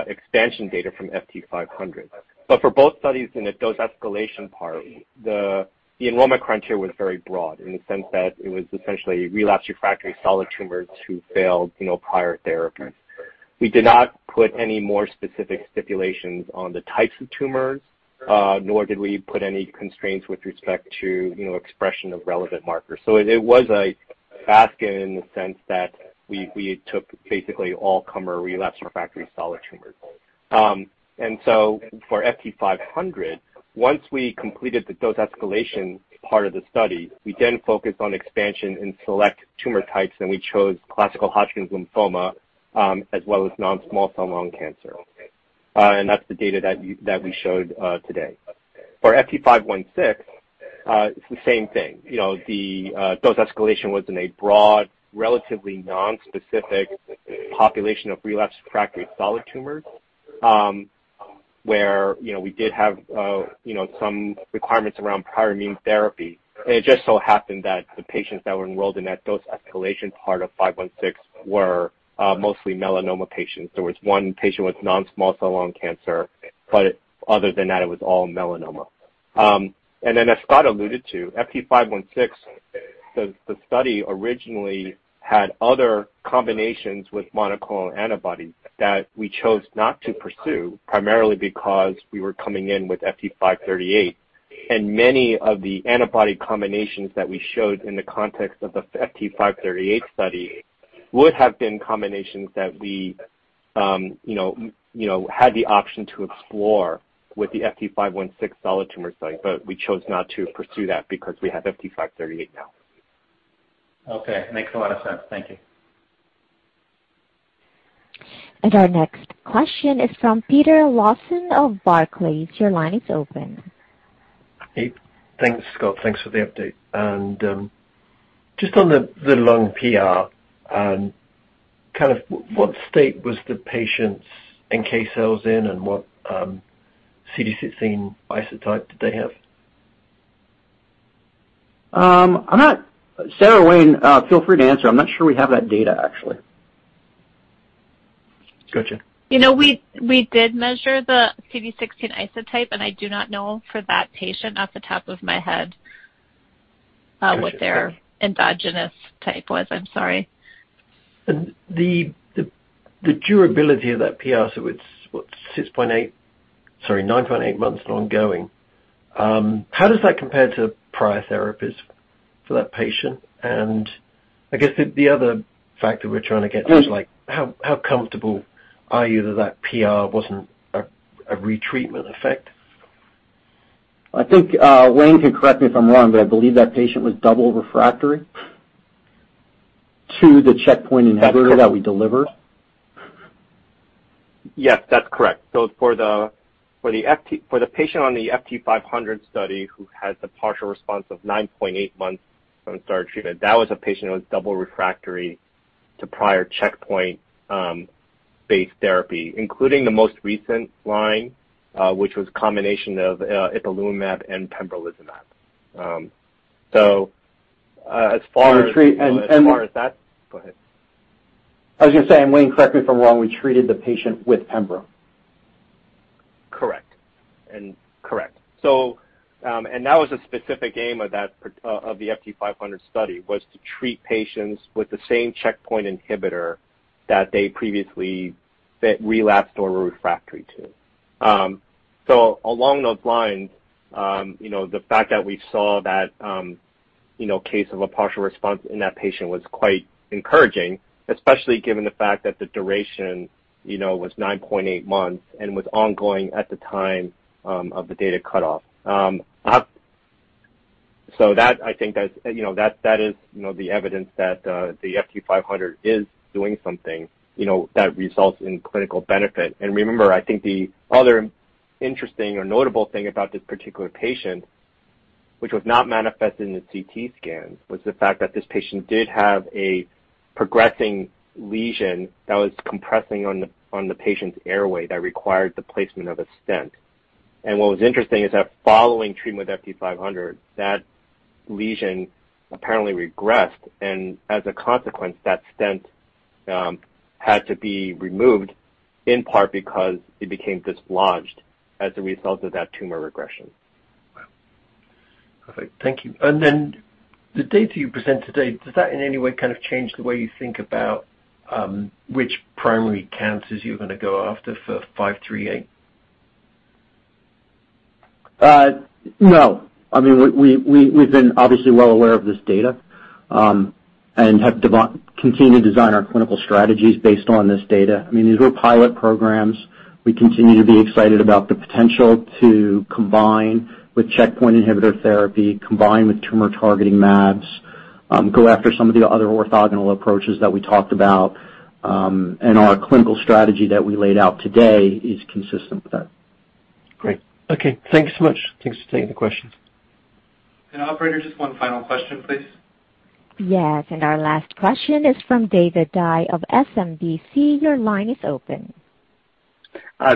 expansion data from FT500. For both studies in the dose escalation part, the enrollment criteria was very broad in the sense that it was essentially relapsed refractory solid tumors who failed, you know, prior therapies. We did not put any more specific stipulations on the types of tumors, nor did we put any constraints with respect to, you know, expression of relevant markers. It was a basket in the sense that we took basically all-comer relapsed refractory solid tumors. For FT500, once we completed the dose escalation part of the study, we then focused on expansion in select tumor types, and we chose classical Hodgkin's lymphoma, as well as non-small cell lung cancer. That's the data that we showed today. For FT516, it's the same thing. You know, the dose escalation was in a broad, relatively nonspecific population of relapsed refractory solid tumors, where, you know, we did have, you know, some requirements around prior immune therapy. It just so happened that the patients that were enrolled in that dose escalation part of FT516 were mostly melanoma patients. There was one patient with non-small cell lung cancer, but other than that, it was all melanoma. As Scott alluded to, FT516, the study originally had other combinations with monoclonal antibodies that we chose not to pursue, primarily because we were coming in with FT538. Many of the antibody combinations that we showed in the context of the FT538 study would have been combinations that we, you know, had the option to explore with the FT516 solid tumor study, but we chose not to pursue that because we have FT538 now. Okay. Makes a lot of sense. Thank you. Our next question is from Peter Lawson of Barclays. Your line is open. Hey. Thanks, Scott. Thanks for the update. Just on the lung PR, kind of what state was the patient's NK cells in and what CD16 isotype did they have? I'm not sure, Sarah or Wayne, feel free to answer. I'm not sure we have that data, actually. Gotcha. You know, we did measure the CD16 isotype, and I do not know for that patient off the top of my head, what their endogenous type was. I'm sorry. The durability of that PR, so it's 9.8 months and ongoing, how does that compare to prior therapies for that patient? The other factor we're trying to get to is like how comfortable are you that that PR wasn't a retreatment effect? I think, Wayne can correct me if I'm wrong, but I believe that patient was double refractory to the checkpoint inhibitor that we deliver. Yes, that's correct. For the patient on the FT500 study who has the partial response of 9.8 months from start of treatment, that was a patient who was double refractory to prior checkpoint-based therapy, including the most recent line, which was combination of ipilimumab and pembrolizumab. As far as- And treat, and- As far as that. Go ahead. I was gonna say, and Wayne, correct me if I'm wrong, we treated the patient with pembro. Correct. Correct. That was a specific aim of that part of the FT500 study, to treat patients with the same checkpoint inhibitor that they previously relapsed or were refractory to. Along those lines, you know, the fact that we saw that, you know, case of a partial response in that patient was quite encouraging, especially given the fact that the duration, you know, was 9.8 months and was ongoing at the time of the data cutoff. That, I think, is the evidence that the FT500 is doing something, you know, that results in clinical benefit. Remember, I think the other interesting or notable thing about this particular patient, which was not manifested in the CT scans, was the fact that this patient did have a progressing lesion that was compressing on the patient's airway that required the placement of a stent. What was interesting is that following treatment with FT500, that lesion apparently regressed, and as a consequence, that stent had to be removed, in part because it became dislodged as a result of that tumor regression. Wow. Perfect. Thank you. The data you present today, does that in any way kind of change the way you think about which primary cancers you're gonna go after for 538? No. I mean, we’ve been obviously well aware of this data, and have continued to design our clinical strategies based on this data. I mean, these were pilot programs. We continue to be excited about the potential to combine with checkpoint inhibitor therapy, combine with tumor-targeting mAbs, go after some of the other orthogonal approaches that we talked about, and our clinical strategy that we laid out today is consistent with that. Great. Okay. Thank you so much. Thanks for taking the questions. Operator, just one final question, please. Yes. Our last question is from David Dai of SMBC. Your line is open.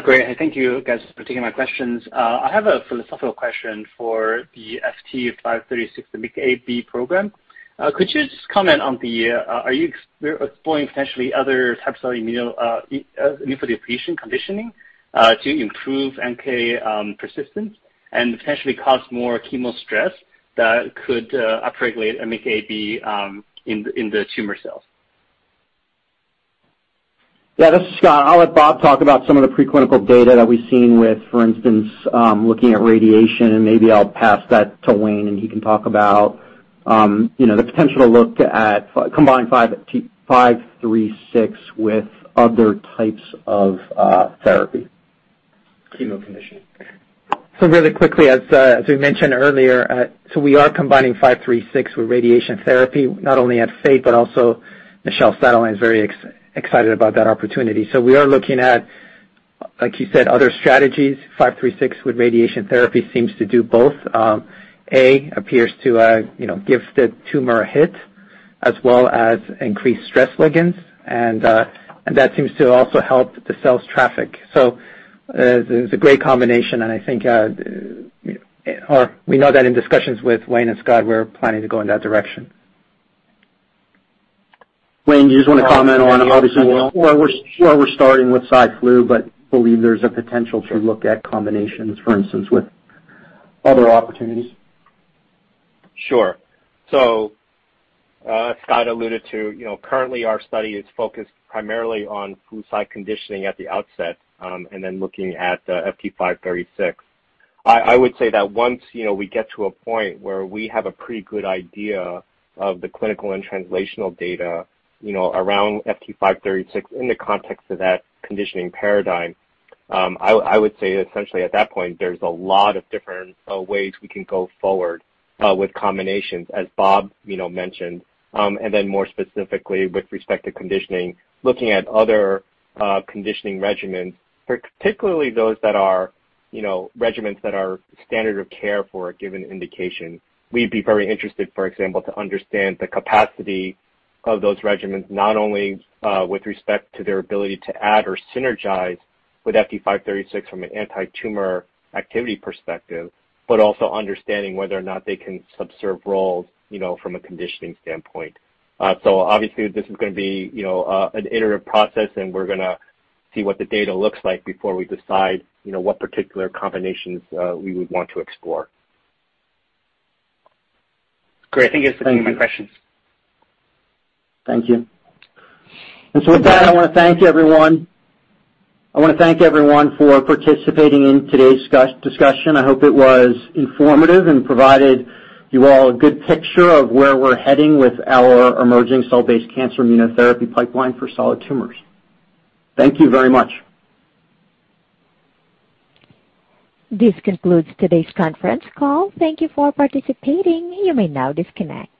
Great. Thank you guys for taking my questions. I have a philosophical question for the FT536, the MICA/B program. Could you just comment on the, are you exploring potentially other types of immunodepletion conditioning to improve NK persistence and potentially cause more chemo stress that could upregulate a MICA/B in the tumor cells? This is Scott. I'll let Bob talk about some of the preclinical data that we've seen with, for instance, looking at radiation, and maybe I'll pass that to Wayne, and he can talk about, you know, the potential to look at combined FT536 with other types of therapy. Chemo conditioning. Really quickly, as we mentioned earlier, we are combining FT536 with radiation therapy, not only at Fate, but also Michel Sadelain is very excited about that opportunity. We are looking at, like you said, other strategies. FT536 with radiation therapy seems to do both. It appears to, you know, give the tumor a hit as well as increase stress ligands, and that seems to also help the cells traffic. It's a great combination, and I think, or we know that in discussions with Wayne and Scott, we're planning to go in that direction. Wayne, do you just wanna comment on obviously where we're starting with Cy/Flu, but believe there's a potential to look at combinations, for instance, with other opportunities? Sure. Scott alluded to, you know, currently our study is focused primarily on Flu/Cy conditioning at the outset, and then looking at FT536. I would say that once, you know, we get to a point where we have a pretty good idea of the clinical and translational data, you know, around FT536 in the context of that conditioning paradigm. I would say essentially at that point, there's a lot of different ways we can go forward with combinations as Bob, you know, mentioned. More specifically with respect to conditioning, looking at other conditioning regimens, particularly those that are, you know, regimens that are standard of care for a given indication. We'd be very interested, for example, to understand the capacity of those regimens not only with respect to their ability to add or synergize with FT536 from an anti-tumor activity perspective, but also understanding whether or not they can subserve roles, you know, from a conditioning standpoint. Obviously this is gonna be, you know, an iterative process, and we're gonna see what the data looks like before we decide, you know, what particular combinations we would want to explore. Great. I think that's it for my questions. Thank you. With that, I wanna thank everyone for participating in today's discussion. I hope it was informative and provided you all a good picture of where we're heading with our emerging cell-based cancer immunotherapy pipeline for solid tumors. Thank you very much. This concludes today's conference call. Thank you for participating. You may now disconnect.